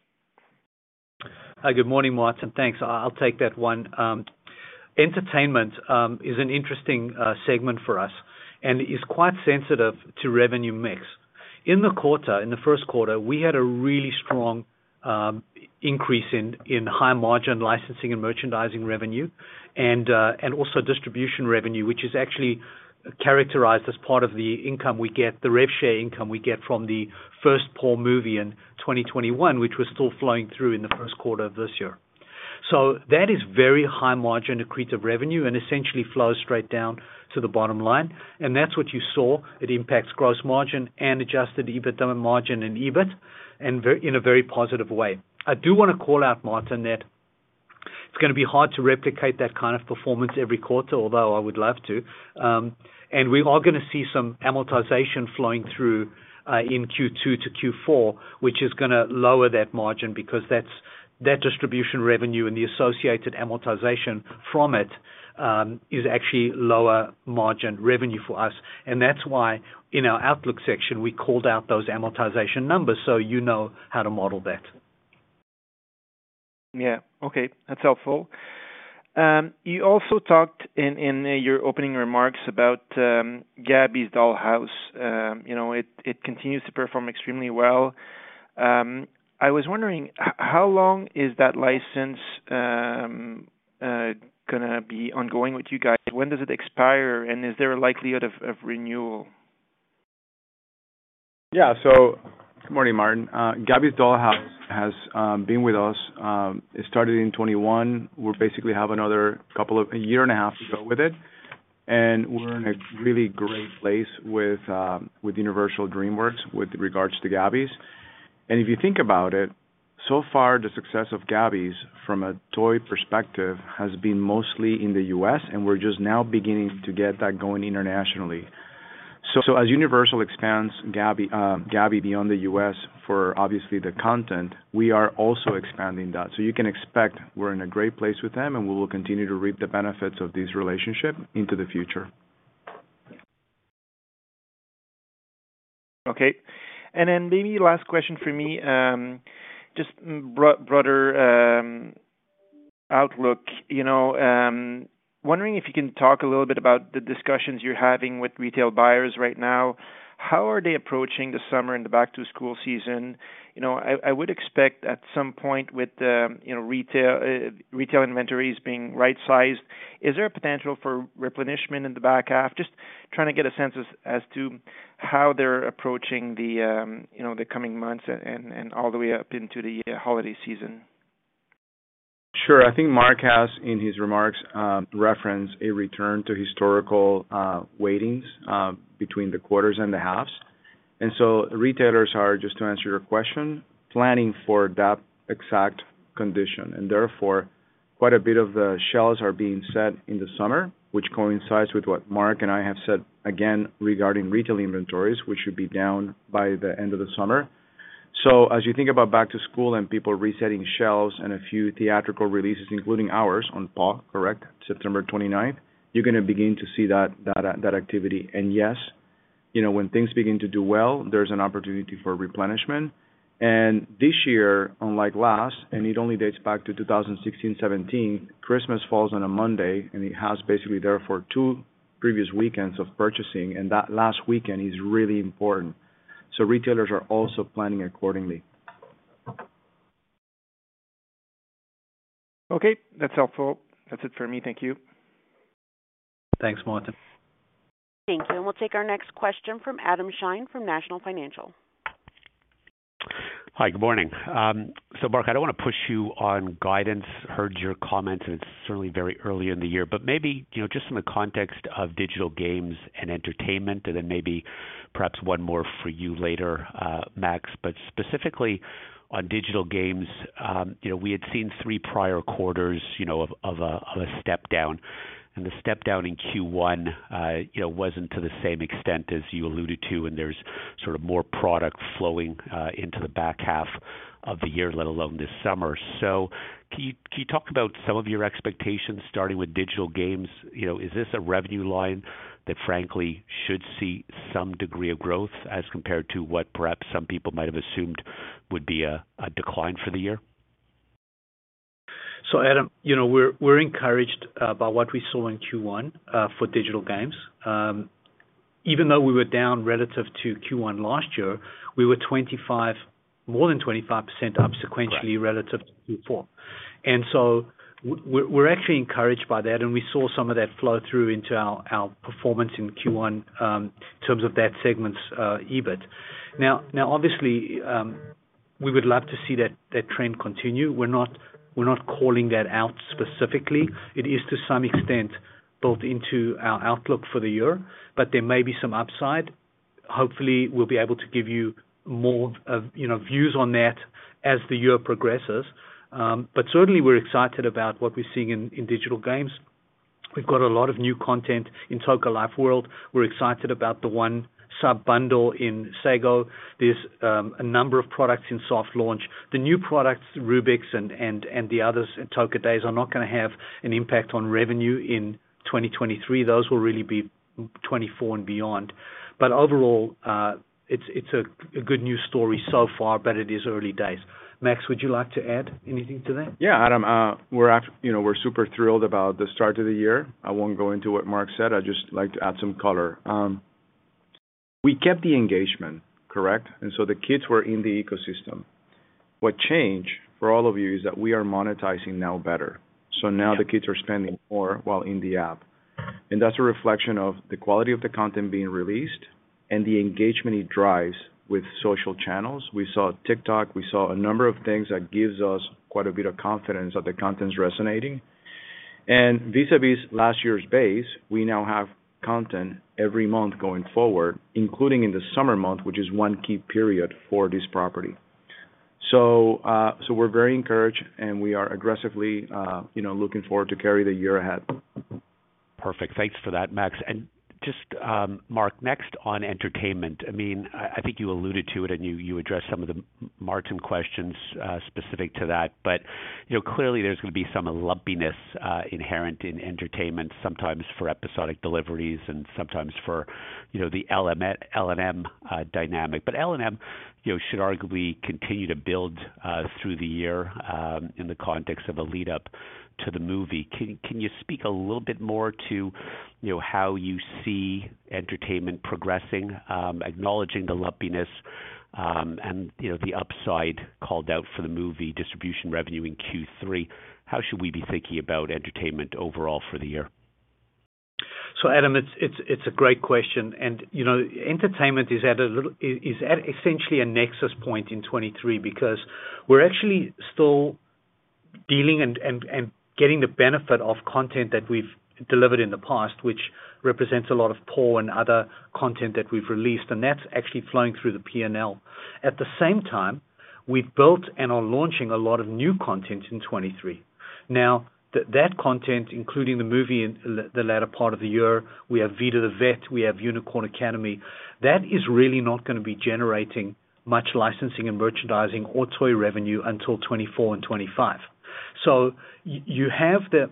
Hi. Good morning, Martin. Thanks. I'll take that one. Entertainment is an interesting segment for us and is quite sensitive to revenue mix. In the quarter, in the Q1, we had a really strong increase in high margin licensing and merchandising revenue and also distribution revenue, which is actually characterized as part of the income we get the rev share income we get from the first PAW Patrol movie in 2021, which was still flowing through in the Q1 of this year. That is very high margin accretive revenue and essentially flows straight down to the bottom line. That's what you saw. It impacts gross margin and Adjusted EBITDA margin and EBIT in a very positive way. I do want to call out Martin, that it's gonna be hard to replicate that kind of performance every quarter, although I would love to. We are gonna see some amortization flowing through, in Q2 to Q4, which is gonna lower that margin because that distribution revenue and the associated amortization from it, is actually lower margin revenue for us. That's why in our outlook section we called out those amortization numbers, so you know how to model that. Yeah. Okay. That's helpful. You also talked in your opening remarks about Gabby's Dollhouse. You know, it continues to perform extremely well. I was wondering how long is that license gonna be ongoing with you guys? When does it expire, and is there a likelihood of renewal? Good morning, Martin. Gabby's Dollhouse has been with us. It started in 2021. We basically have another couple of a year and a half to go with it, and we're in a really great place with DreamWorks Animation with regards to Gabby's. And if you think about it, so far, the success of Gabby's from a toy perspective has been mostly in the U.S., and we're just now beginning to get that going internationally. So as Universal expands Gabby beyond the U.S. for obviously the content, we are also expanding that. You can expect we're in a great place with them, and we will continue to reap the benefits of this relationship into the future. Maybe last question for me, just broader outlook. You know, wondering if you can talk a little bit about the discussions you're having with retail buyers right now. How are they approaching the summer and the back-to-school season? You know, I would expect at some point with, you know, retail inventories being right-sized, is there a potential for replenishment in the back half? Just trying to get a sense as to how they're approaching the, you know, the coming months and all the way up into the holiday season. Sure. I think Mark has, in his remarks, referenced a return to historical, weightings, between the quarters and the halves. Retailers are, just to answer your question, planning for that exact condition, and therefore, quite a bit of the shelves are being set in the summer, which coincides with what Mark and I have said again regarding retail inventories, which should be down by the end of the summer. As you think about back to school and people resetting shelves and a few theatrical releases, including ours on PAW, correct, September 29th, you're gonna begin to see that activity. Yes, you know, when things begin to do well, there's an opportunity for replenishment. This year, unlike last, and it only dates back to 2016, 2017, Christmas falls on a Monday, and it has basically therefore two previous weekends of purchasing. That last weekend is really important. Retailers are also planning accordingly. Okay, that's helpful. That's it for me. Thank you. Thanks, Martin. Thank you. We'll take our next question from Adam Shine from National Bank Financial. Hi. Good morning. Mark, I don't want to push you on guidance. Heard your comments, and it's certainly very early in the year, but maybe, you know, just in the context of digital games and entertainment, and then maybe perhaps one more for you later, Max, but specifically on digital games, you know, we had seen three prior quarters, you know, of a step down and the step down in Q1, you know, wasn't to the same extent as you alluded to, and there's sort of more product flowing into the back half of the year, let alone this summer. Can you talk about some of your expectations starting with digital games? You know, is this a revenue line that frankly should see some degree of growth as compared to what perhaps some people might have assumed would be a decline for the year? Adam, you know, we're encouraged by what we saw in Q1 for digital games. Even though we were down relative to Q1 last year, we were more than 25% up sequentially. Right. Relative to Q4. We're actually encouraged by that, and we saw some of that flow through into our performance in Q1, in terms of that segment's EBIT. Obviously, we would love to see that trend continue. We're not, we're not calling that out specifically. It is to some extent built into our outlook for the year, but there may be some upside. Hopefully, we'll be able to give you more of, you know, views on that as the year progresses. Certainly we're excited about what we're seeing in digital games. We've got a lot of new content in Toca Life World. We're excited about the one Sub bundle in Sago. There's a number of products in soft launch. The new products, Rubik's and the others in Toca Days are not gonna have an impact on revenue in 2023. Those will really be 2024 and beyond. Overall, it's a good news story so far, but it is early days. Max, would you like to add anything to that? Yeah, Adam, you know, we're super thrilled about the start of the year. I won't go into what Mark said. I'd just like to add some color. We kept the engagement, correct? The kids were in the ecosystem. What changed for all of you is that we are monetizing now better. Now the kids are spending more while in the app, and that's a reflection of the quality of the content being released and the engagement it drives with social channels. We saw TikTok, we saw a number of things that gives us quite a bit of confidence that the content's resonating. Vis-à-vis last year's base, we now have content every month going forward, including in the summer month, which is one key period for this property. We're very encouraged, and we are aggressively, you know, looking forward to carry the year ahead. Perfect. Thanks for that, Max. Just, Mark, next on entertainment. I mean, I think you alluded to it and you addressed some of the Martin questions specific to that. You know, clearly there's gonna be some lumpiness inherent in entertainment, sometimes for episodic deliveries and sometimes for, you know, the LNM dynamic. LNM, you know, should arguably continue to build through the year in the context of a lead-up to the movie. Can you speak a little bit more to, you know, how you see entertainment progressing, acknowledging the lumpiness, and you know, the upside called out for the movie distribution revenue in Q3? How should we be thinking about entertainment overall for the year? Adam, it's a great question. You know, entertainment is at essentially a nexus point in 2023 because we're actually still dealing and getting the benefit of content that we've delivered in the past, which represents a lot of poor and other content that we've released, and that's actually flowing through the P&L. At the same time, we've built and are launching a lot of new content in 2023. That content, including the movie in the latter part of the year, we have Vida the Vet, we have Unicorn Academy, that is really not gonna be generating much licensing and merchandising or toy revenue until 2024 and 2025. You have the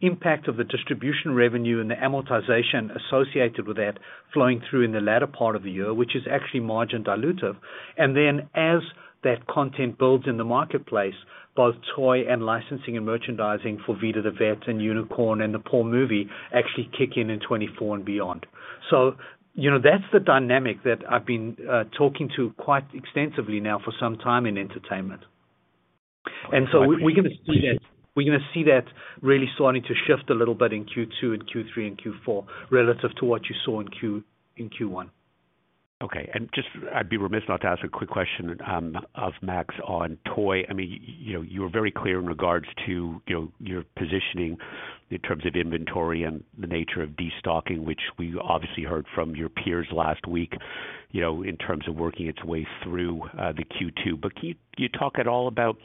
impact of the distribution revenue and the amortization associated with that flowing through in the latter part of the year, which is actually margin dilutive. As that content builds in the marketplace, both toy and licensing and merchandising for Vida the Vet and Unicorn and the PAW Patrol movie actually kick in in 2024 and beyond. You know, that's the dynamic that I've been talking to quite extensively now for some time in entertainment. We're gonna see that, we're gonna see that really starting to shift a little bit in Q2 and Q3 and Q4 relative to what you saw in Q1. Just I'd be remiss not to ask a quick question of Max on toy. I mean, you know, you were very clear in regards to, you know, your positioning in terms of inventory and the nature of destocking, which we obviously heard from your peers last week, you know, in terms of working its way through the Q2. Can you talk at all about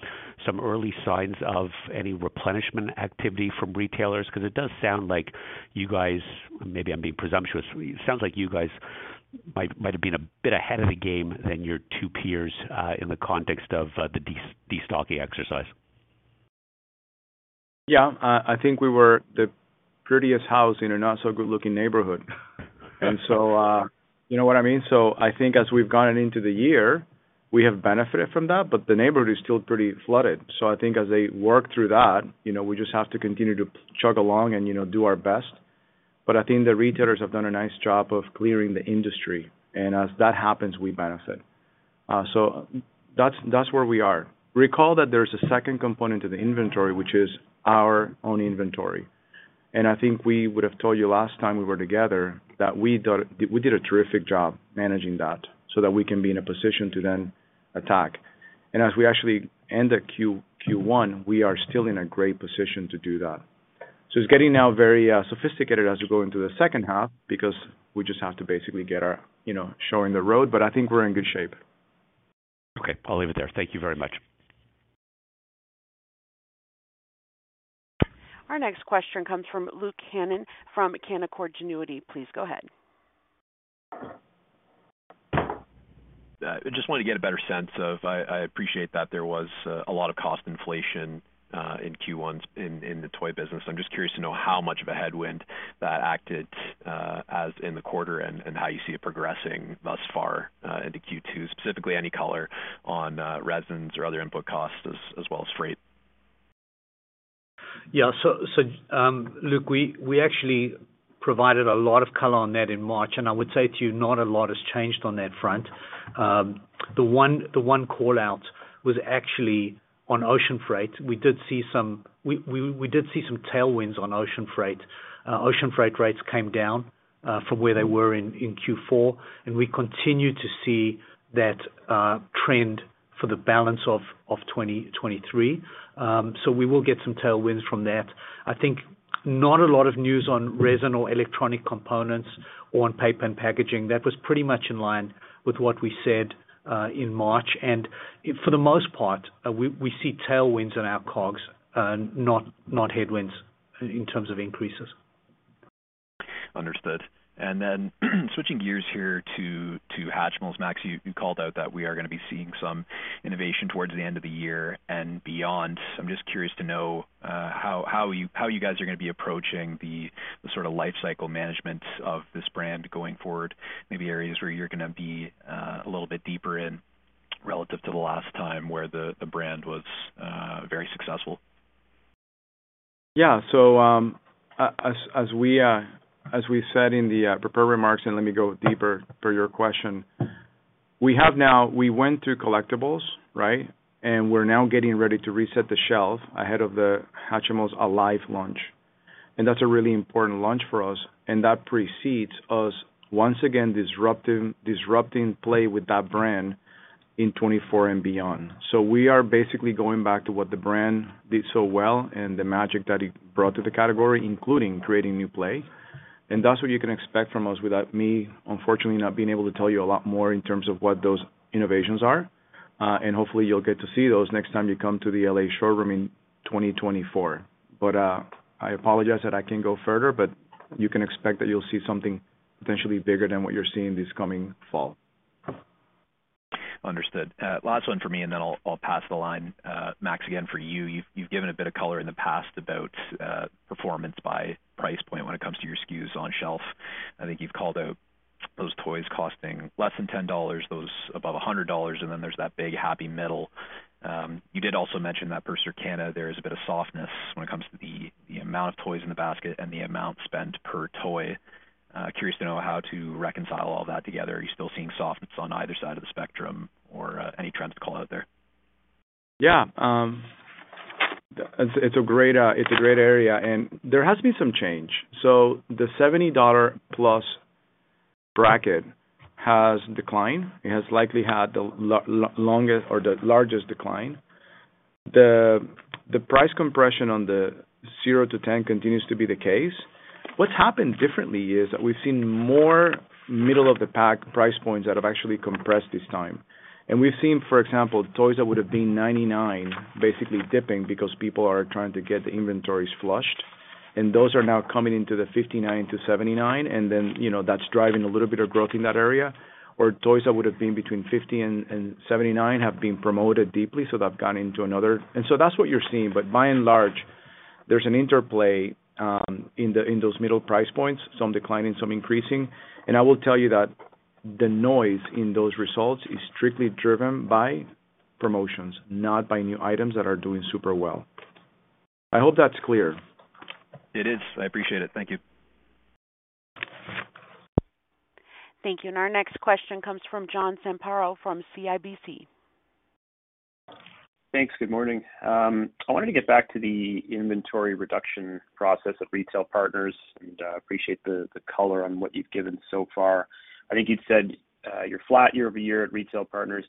some early signs of any replenishment activity from retailers? 'Cause it does sound like you guys, maybe I'm being presumptuous, it sounds like you guys might have been a bit ahead of the game than your two peers in the context of the destocking exercise. Yeah. I think we were the prettiest house in a not so good looking neighborhood. You know what I mean? I think as we've gone into the year, we have benefited from that, but the neighborhood is still pretty flooded. I think as they work through that, you know, we just have to continue to chug along and, you know, do our best. I think the retailers have done a nice job of clearing the industry, and as that happens, we benefit. That's, that's where we are. Recall that there's a second component to the inventory, which is our own inventory. I think we would have told you last time we were together that we did a terrific job managing that so that we can be in a position to then attack. As we actually end Q1, we are still in a great position to do that. It's getting now very sophisticated as we go into the second half because we just have to basically get our, you know, showing the road, but I think we're in good shape. Okay, I'll leave it there. Thank you very much. Our next question comes from Luke Hannan from Canaccord Genuity. Please go ahead. I just wanted to get a better sense of... I appreciate that there was a lot of cost inflation in Q1 in the toy business. I'm just curious to know how much of a headwind that acted as in the quarter and how you see it progressing thus far into Q2. Specifically, any color on resins or other input costs as well as freight. Luke, we actually provided a lot of color on that in March, and I would say to you not a lot has changed on that front. The one call-out was actually on ocean freight. We did see some tailwinds on ocean freight. Ocean freight rates came down from where they were in Q4, and we continue to see that trend for the balance of 2023. We will get some tailwinds from that. I think not a lot of news on resin or electronic components or on paper and packaging. That was pretty much in line with what we said in March. For the most part, we see tailwinds in our COGS, not headwinds in terms of increases. Understood. Then switching gears here to Hatchimals. Max, you called out that we are gonna be seeing some innovation towards the end of the year and beyond. I'm just curious to know how you guys are gonna be approaching the sort of lifecycle management of this brand going forward, maybe areas where you're gonna be a little bit deeper in relative to the last time where the brand was very successful. Yeah. As we said in the prepared remarks, let me go deeper per your question. We went through collectibles, right? We're now getting ready to reset the shelf ahead of the Hatchimals Alive launch. That's a really important launch for us, and that precedes us once again disrupting play with that brand in 2024 and beyond. We are basically going back to what the brand did so well and the magic that it brought to the category, including creating new play. That's what you can expect from us without me, unfortunately, not being able to tell you a lot more in terms of what those innovations are. Hopefully you'll get to see those next time you come to the L.A. showroom in 2024. I apologize that I can't go further, but you can expect that you'll see something potentially bigger than what you're seeing this coming fall. Understood. Last one for me, and then I'll pass the line. Max, again for you. You've, you've given a bit of color in the past about performance by price point when it comes to your SKUs on shelf. I think you've called out those toys costing less than $10, those above $100, and then there's that big happy middle. You did also mention that per Circana, there is a bit of softness when it comes to the amount of toys in the basket and the amount spent per toy. Curious to know how to reconcile all that together. Are you still seeing softness on either side of the spectrum or any trends to call out there? It's a great area, there has been some change. The $70-plus bracket has declined. It has likely had the longest or the largest decline. The price compression on the 0-10 continues to be the case. What's happened differently is that we've seen more middle-of-the-pack price points that have actually compressed this time. We've seen, for example, toys that would have been $99 basically dipping because people are trying to get the inventories flushed, and those are now coming into the $59-$79, and then, you know, that's driving a little bit of growth in that area. Toys that would have been between $50 and $79 have been promoted deeply, so they've gone into another. That's what you're seeing. By and large, there's an interplay in the, in those middle price points, some declining, some increasing. I will tell you that the noise in those results is strictly driven by promotions, not by new items that are doing super well. I hope that's clear. It is. I appreciate it. Thank you. Thank you. Our next question comes from John Zamparo from CIBC. Thanks. Good morning. I wanted to get back to the inventory reduction process at retail partners and appreciate the color on what you've given so far. I think you'd said, you're flat year-over-year at retail partners.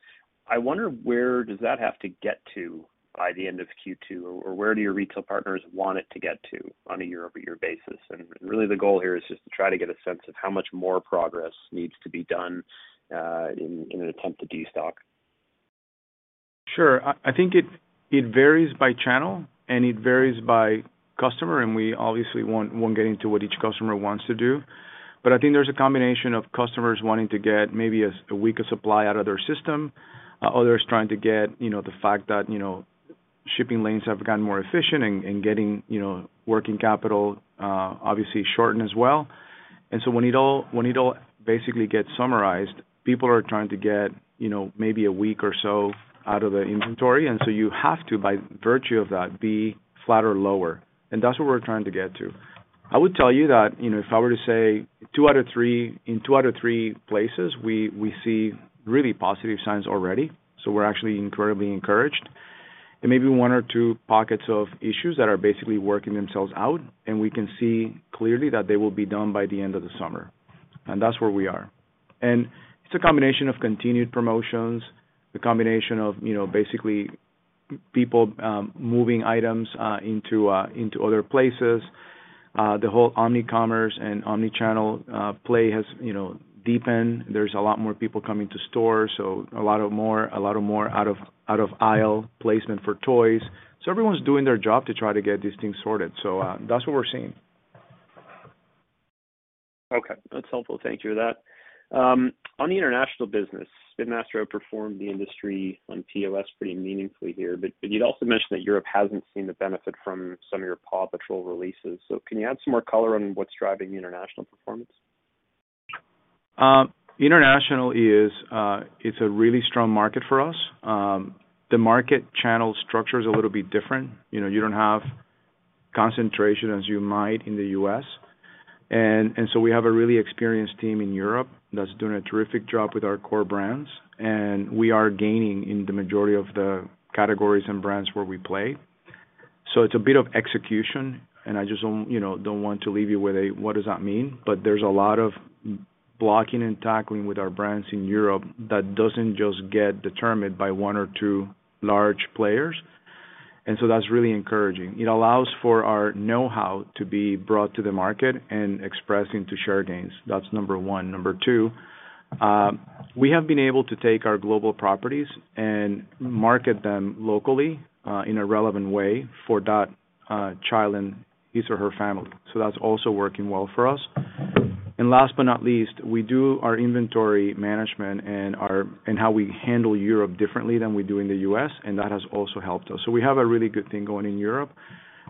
I wonder where does that have to get to by the end of Q2, or where do your retail partners want it to get to on a year-over-year basis? Really the goal here is just to try to get a sense of how much more progress needs to be done in an attempt to destock. Sure. I think it varies by channel and it varies by customer, and we obviously won't get into what each customer wants to do. I think there's a combination of customers wanting to get maybe one week of supply out of their system, others trying to get, you know, the fact that, you know, shipping lanes have gotten more efficient in getting, you know, working capital obviously shortened as well. When it all basically gets summarized, people are trying to get, you know, maybe one week or so out of the inventory, and so you have to, by virtue of that, be flat or lower. That's what we're trying to get to. I would tell you that, you know, if I were to say two out of three places, we see really positive signs already. We're actually incredibly encouraged. Maybe one or two pockets of issues that are basically working themselves out, and we can see clearly that they will be done by the end of the summer. That's where we are. It's a combination of continued promotions, the combination of, you know, basically people moving items into other places. The whole omnicommerce and omni-channel play has, you know, deepened. There's a lot more people coming to store, so a lot of more out of aisle placement for toys. Everyone's doing their job to try to get these things sorted. That's what we're seeing. Okay, that's helpful. Thank you for that. On the international business, Spin Master outperformed the industry on POS pretty meaningfully here. You'd also mentioned that Europe hasn't seen the benefit from some of your PAW Patrol releases. Can you add some more color on what's driving the international performance? International is, it's a really strong market for us. The market channel structure is a little bit different. You know, you don't have concentration as you might in the US. We have a really experienced team in Europe that's doing a terrific job with our core brands, and we are gaining in the majority of the categories and brands where we play. It's a bit of execution, and I just don't, you know, don't want to leave you with a what does that mean? There's a lot of blocking and tackling with our brands in Europe that doesn't just get determined by one or two large players. That's really encouraging. It allows for our know-how to be brought to the market and expressing to share gains. That's number one. Number two, we have been able to take our global properties and market them locally, in a relevant way for that child and his or her family. That's also working well for us. Last but not least, we do our inventory management and how we handle Europe differently than we do in the U.S., and that has also helped us. We have a really good thing going in Europe.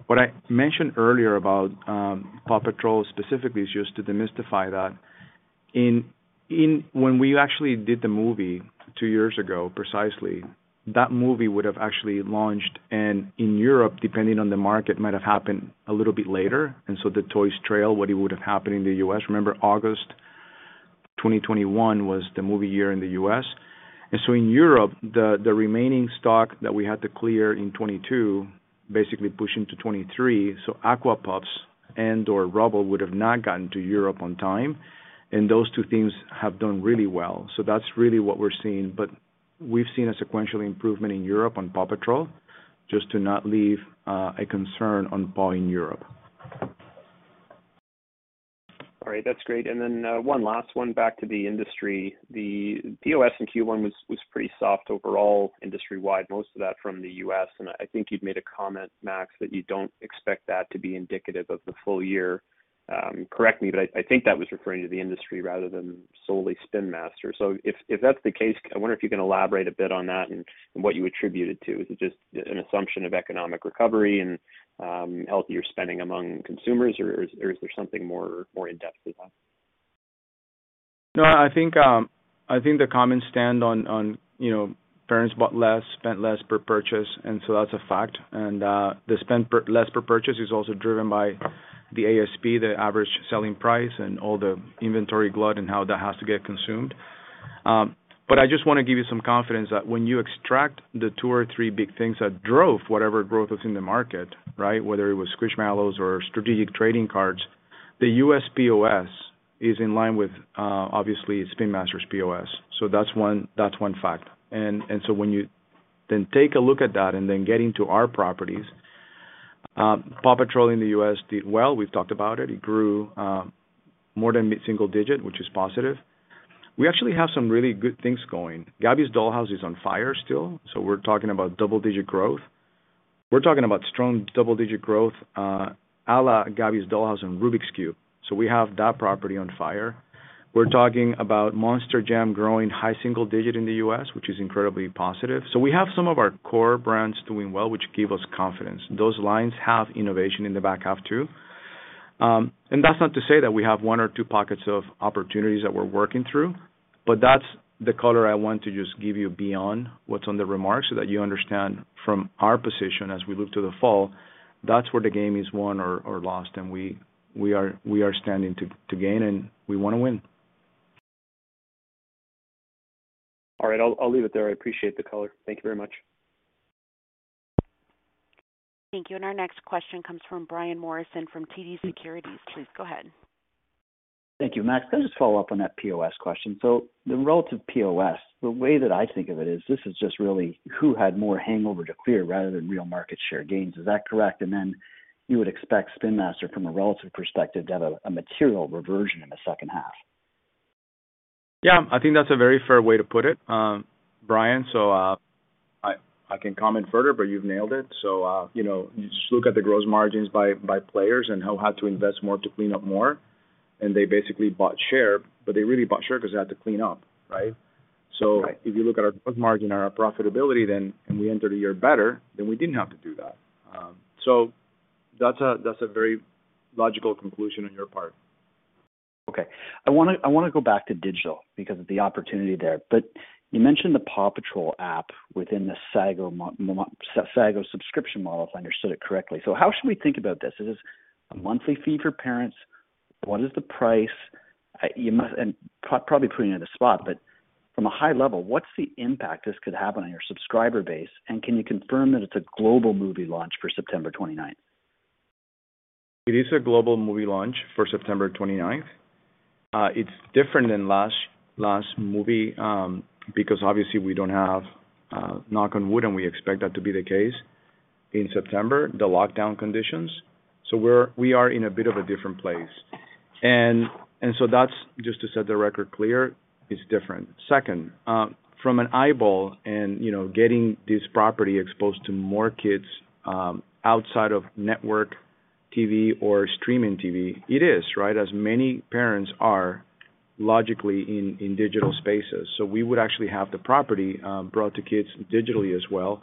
What I mentioned earlier about PAW Patrol specifically is just to demystify that. When we actually did the movie two years ago, precisely, that movie would have actually launched, and in Europe, depending on the market, might have happened a little bit later. The Toys" Trail, what it would have happened in the U.S. Remember, August 2021 was the movie year in the U.S. In Europe, the remaining stock that we had to clear in 2022 basically pushed into 2023. Aqua Pups and/or Rubble would have not gotten to Europe on time. Those two things have done really well. That's really what we're seeing. We've seen a sequential improvement in Europe on PAW Patrol, just to not leave a concern on PAW in Europe. All right. That's great. One last one back to the industry. The POS in Q1 was pretty soft overall industry-wide, most of that from the U.S. I think you'd made a comment, Max, that you don't expect that to be indicative of the full year. Correct me, but I think that was referring to the industry rather than solely Spin Master. If that's the case, I wonder if you can elaborate a bit on that and what you attribute it to. Is it just an assumption of economic recovery and healthier spending among consumers or is there something more in-depth to that? No, I think the comments stand on, you know, parents bought less, spent less per purchase, that's a fact. They spent less per purchase is also driven by the ASP, the average selling price, and all the inventory glut and how that has to get consumed. I just wanna give you some confidence that when you extract the two or three big things that drove whatever growth was in the market, right, whether it was Squishmallows or strategic trading cards, the U.S. POS is in line with, obviously Spin Master's POS. That's one fact. When you then take a look at that and then get into our properties, PAW Patrol in the U.S. did well. We've talked about it. It grew more than mid-single digit, which is positive. We actually have some really good things going. Gabby's Dollhouse is on fire still, we're talking about double-digit growth. We're talking about strong double-digit growth, a la Gabby's Dollhouse and Rubik's Cube. We have that property on fire. We're talking about Monster Jam growing high single digit in the U.S., which is incredibly positive. We have some of our core brands doing well, which give us confidence. Those lines have innovation in the back half too. That's not to say that we have one or two pockets of opportunities that we're working through, but that's the color I want to just give you beyond what's on the remarks so that you understand from our position as we look to the fall, that's where the game is won or lost, and we are standing to gain, and we wanna win. All right. I'll leave it there. I appreciate the color. Thank you very much. Thank you. Our next question comes from Brian Morrison from TD Securities. Please go ahead. Thank you, Max. Can I just follow up on that POS question? The relative POS, the way that I think of it is this is just really who had more hangover to clear rather than real market share gains. Is that correct? You would expect Spin Master from a relative perspective to have a material reversion in the second half. Yeah. I think that's a very fair way to put it, Brian. I can comment further, but you've nailed it. You know, you just look at the gross margins by players and how hard to invest more to clean up more, and they basically bought share, but they really bought share 'cause they had to clean up, right? Right. If you look at our gross margin, our profitability, then, and we entered a year better, then we didn't have to do that. That's a very logical conclusion on your part. Okay. I want to go back to digital because of the opportunity there. You mentioned the PAW Patrol app within the Sago subscription model, if I understood it correctly. How should we think about this? Is this a monthly fee for parents? What is the price? Probably putting you on the spot, but from a high level, what's the impact this could have on your subscriber base? Can you confirm that it's a global movie launch for September 29th? It is a global movie launch for September 29th. It's different than last movie, because obviously we don't have, knock on wood, we expect that to be the case in September, the lockdown conditions. We are in a bit of a different place. That's just to set the record clear, it's different. Second, from an eyeball and, you know, getting this property exposed to more kids, outside of network TV or streaming TV, it is, right? As many parents are logically in digital spaces. We would actually have the property brought to kids digitally as well.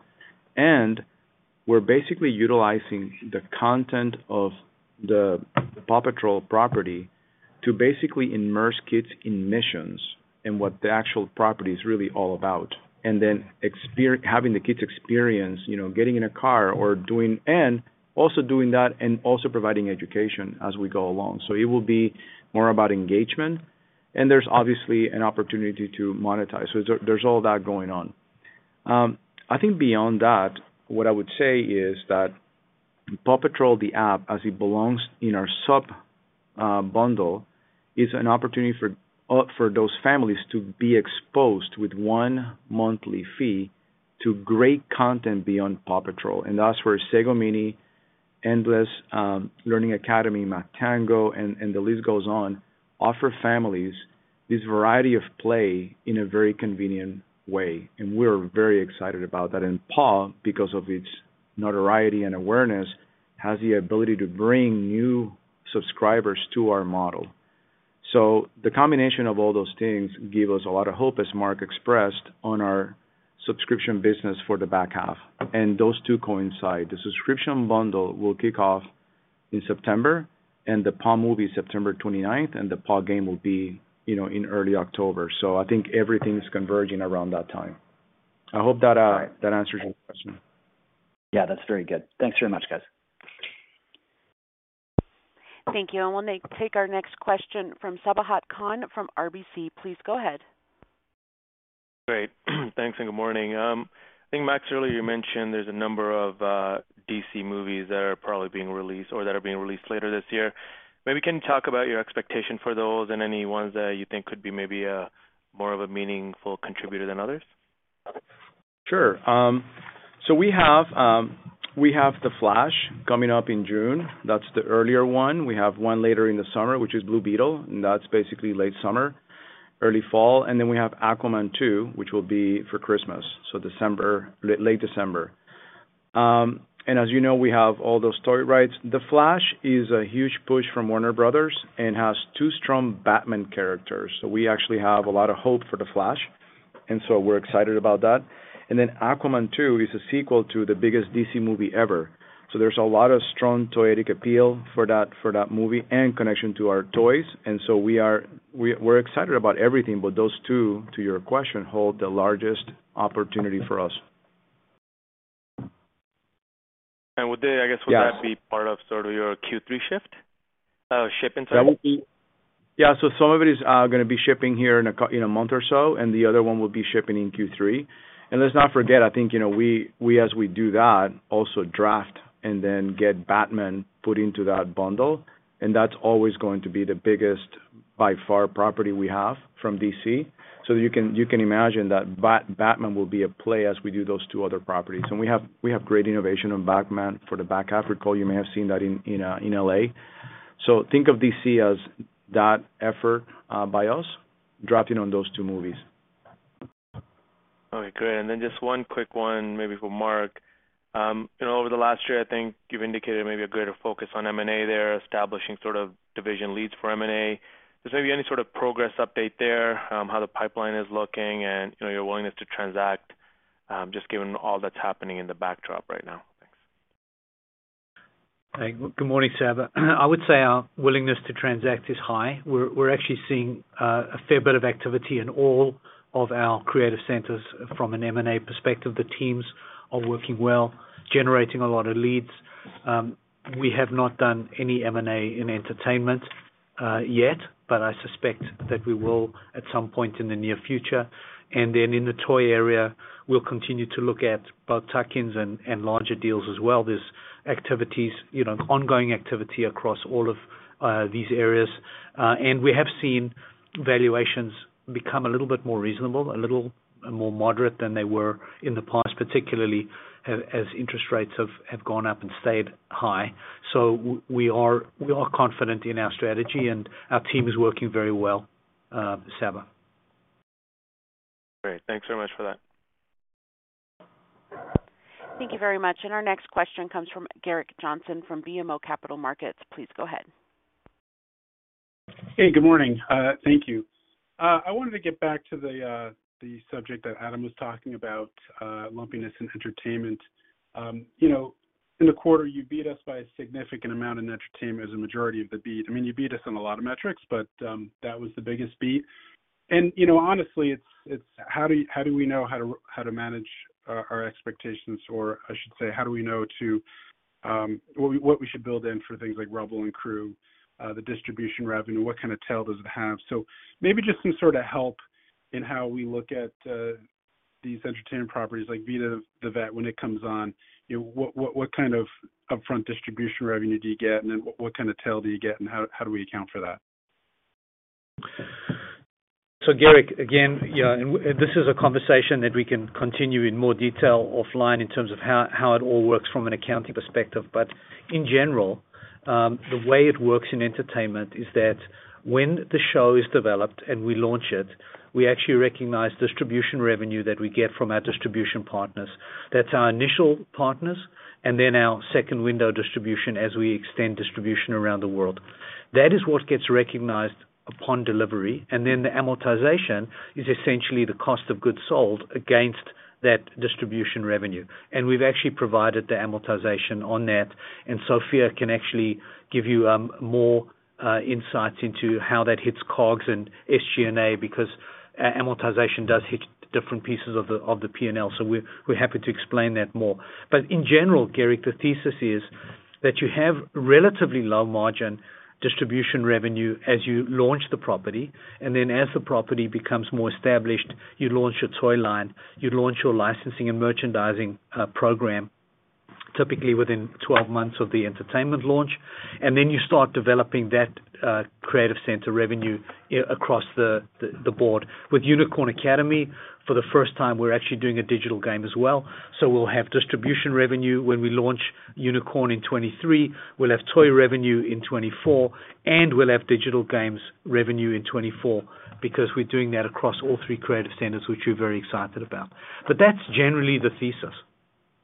We're basically utilizing the content of the PAW Patrol property to basically immerse kids in missions and what the actual property is really all about. Having the kids experience, you know, getting in a car or doing that and also providing education as we go along. It will be more about engagement, and there's obviously an opportunity to monetize. There's all that going on. I think beyond that, what I would say is that PAW Patrol, the app, as it belongs in our sub bundle, is an opportunity for those families to be exposed with 1 monthly fee to great content beyond PAW Patrol. That's where Sago Mini, Endless Learning Academy, MathTango, and the list goes on, offer families this variety of play in a very convenient way. We're very excited about that. PAW because of its notoriety and awareness, has the ability to bring new subscribers to our model. The combination of all those things give us a lot of hope, as Mark expressed, on our subscription business for the back half. Those two coincide. The subscription bundle will kick off in September and the Paw movie September 29th, and the Paw game will be, you know, in early October. I think everything is converging around that time. I hope that answers your question. Yeah, that's very good. Thanks very much, guys. Thank you. We'll now take our next question from Sabahat Khan from RBC. Please go ahead. Great. Thanks, and good morning. I think, Max, earlier you mentioned there's a number of, DC movies that are probably being released or that are being released later this year. Maybe, can you talk about your expectation for those and any ones that you think could be maybe a more of a meaningful contributor than others? Sure. We have The Flash coming up in June. That's the earlier one. We have one later in the summer, which is Blue Beetle, and that's basically late summer, early fall. Then we have Aquaman 2, which will be for Christmas, December, late December. As you know, we have all those story rights. The Flash is a huge push from Warner Bros. and has two strong Batman characters. We actually have a lot of hope for The Flash. We're excited about that. Then Aquaman 2 is a sequel to the biggest DC movie ever. There's a lot of strong toyetic appeal for that, for that movie and connection to our toys. We are excited about everything. Those two, to your question, hold the largest opportunity for us. Would they? Yes. would that be part of sort of your Q3 shift, ship insight? That would be. Yeah, some of it is going to be shipping here in a month or so, the other one will be shipping in Q3. Let's not forget, I think, you know, we as we do that also draft and then get Batman put into that bundle. That's always going to be the biggest, by far, property we have from DC. You can imagine that Batman will be a play as we do those two other properties. We have great innovation on Batman for the back half. Recall you may have seen that in L.A. Think of DC as that effort by us drafting on those two movies. Okay, great. And then just one quick one maybe for Mark. You know, over the last year, I think you've indicated maybe a greater focus on M&A there, establishing sort of division leads for M&A. Just maybe any sort of progress update there, how the pipeline is looking and, you know, your willingness to transact, just given all that's happening in the backdrop right now? Thanks. Good morning, Sabahat. I would say our willingness to transact is high. We're actually seeing a fair bit of activity in all of our creative centers from an M&A perspective. The teams are working well, generating a lot of leads. We have not done any M&A in entertainment yet, but I suspect that we will at some point in the near future. In the toy area, we'll continue to look at both tuck-ins and larger deals as well. There's activities, you know, ongoing activity across all of these areas. We have seen valuations become a little bit more reasonable, a little more moderate than they were in the past, particularly as interest rates have gone up and stayed high. We are confident in our strategy, and our team is working very well, Sabahat. Great. Thanks so much for that. Thank you very much. Our next question comes from Gerrick Johnson from BMO Capital Markets. Please go ahead. Hey, good morning. Thank you. I wanted to get back to the subject that Adam was talking about, lumpiness in entertainment. You know, in the quarter, you beat us by a significant amount in entertainment as a majority of the beat. I mean, you beat us on a lot of metrics, but that was the biggest beat. You know, honestly, it's how do we know how to manage our expectations? I should say, how do we know to what we should build in for things like Rubble & Crew, the distribution revenue? What kind of tail does it have? Maybe just some sort of help in how we look at These entertainment properties like Vida the Vet, when it comes on, you know, what kind of upfront distribution revenue do you get, and then what kind of tail do you get, and how do we account for that? Gerrick, again, you know, and this is a conversation that we can continue in more detail offline in terms of how it all works from an accounting perspective. In general, the way it works in entertainment is that when the show is developed and we launch it, we actually recognize distribution revenue that we get from our distribution partners. That's our initial partners and then our second window distribution as we extend distribution around the world. That is what gets recognized upon delivery. Then the amortization is essentially the cost of goods sold against that distribution revenue. We've actually provided the amortization on that, and Sophia can actually give you more insights into how that hits COGS and SG&A because amortization does hit different pieces of the P&L. We're happy to explain that more. In general, Gerrick, the thesis is that you have relatively low margin distribution revenue as you launch the property, and then as the property becomes more established, you launch your toy line, you launch your licensing and merchandising program, typically within 12 months of the entertainment launch. You start developing that creative center revenue across the board. With Unicorn Academy, for the first time, we're actually doing a digital game as well, so we'll have distribution revenue when we launch Unicorn in 2023. We'll have toy revenue in 2024, and we'll have digital games revenue in 2024 because we're doing that across all three creative centers, which we're very excited about. That's generally the thesis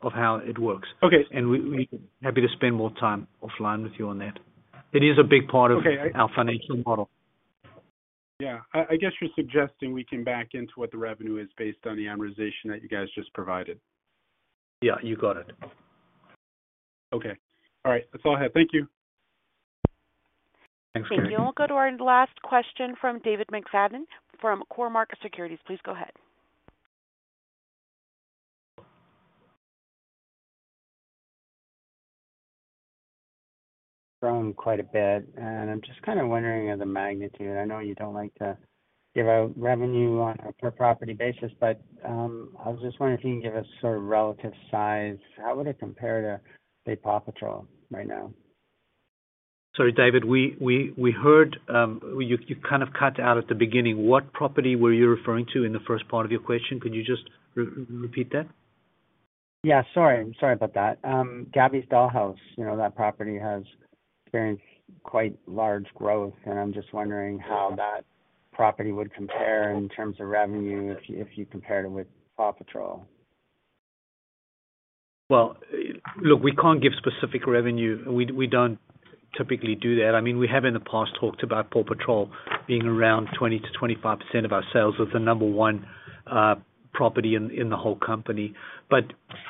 of how it works. Okay. We happy to spend more time offline with you on that. It is a big part of. Okay. our financial model. Yeah. I guess you're suggesting we can back into what the revenue is based on the amortization that you guys just provided. Yeah, you got it. Okay. All right. That's all I have. Thank you. Thanks, Gerrick. Okay. We'll go to our last question from David McFadgen from Cormark Securities. Please go ahead. From quite a bit. I'm just kinda wondering of the magnitude. I know you don't like to give out revenue on a per property basis. I was just wondering if you can give us sort of relative size. How would it compare to say, PAW Patrol right now? Sorry, David. We heard, you kind of cut out at the beginning. What property were you referring to in the first part of your question? Could you just repeat that? Yeah, sorry. Sorry about that. Gabby's Dollhouse, you know, that property has experienced quite large growth, and I'm just wondering how that property would compare in terms of revenue if you compared it with PAW Patrol. Well, look, we can't give specific revenue. We don't typically do that. I mean, we have in the past talked about PAW Patrol being around 20%-25% of our sales. It's the number 1 property in the whole company.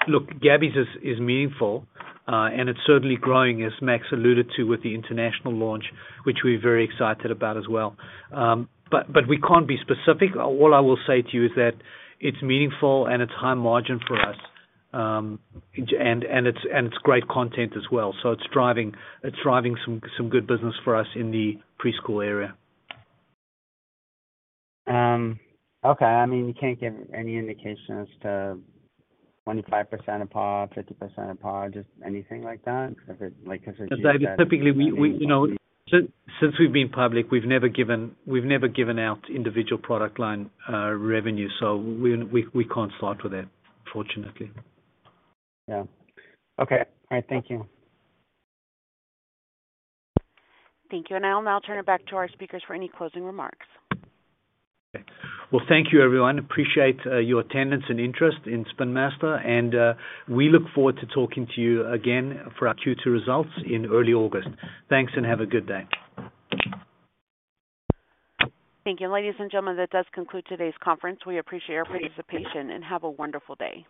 Look, Gabby's is meaningful and it's certainly growing, as Max alluded to with the international launch, which we're very excited about as well. We can't be specific. All I will say to you is that it's meaningful and it's high margin for us. It's great content as well. It's driving some good business for us in the preschool area. Okay. I mean, you can't give any indication as to 25% of PAW Patrol, 50% of PAW Patrol, just anything like that? David, typically, we, you know, since we've been public, we've never given out individual product line revenue, so we can't start with that fortunately. Yeah. Okay. All right. Thank you. Thank you. I'll now turn it back to our speakers for any closing remarks. Well, thank you, everyone. Appreciate your attendance and interest in Spin Master and we look forward to talking to you again for our Q2 results in early August. Thanks and have a good day. Thank you. Ladies and gentlemen, that does conclude today's conference. We appreciate your participation, have a wonderful day.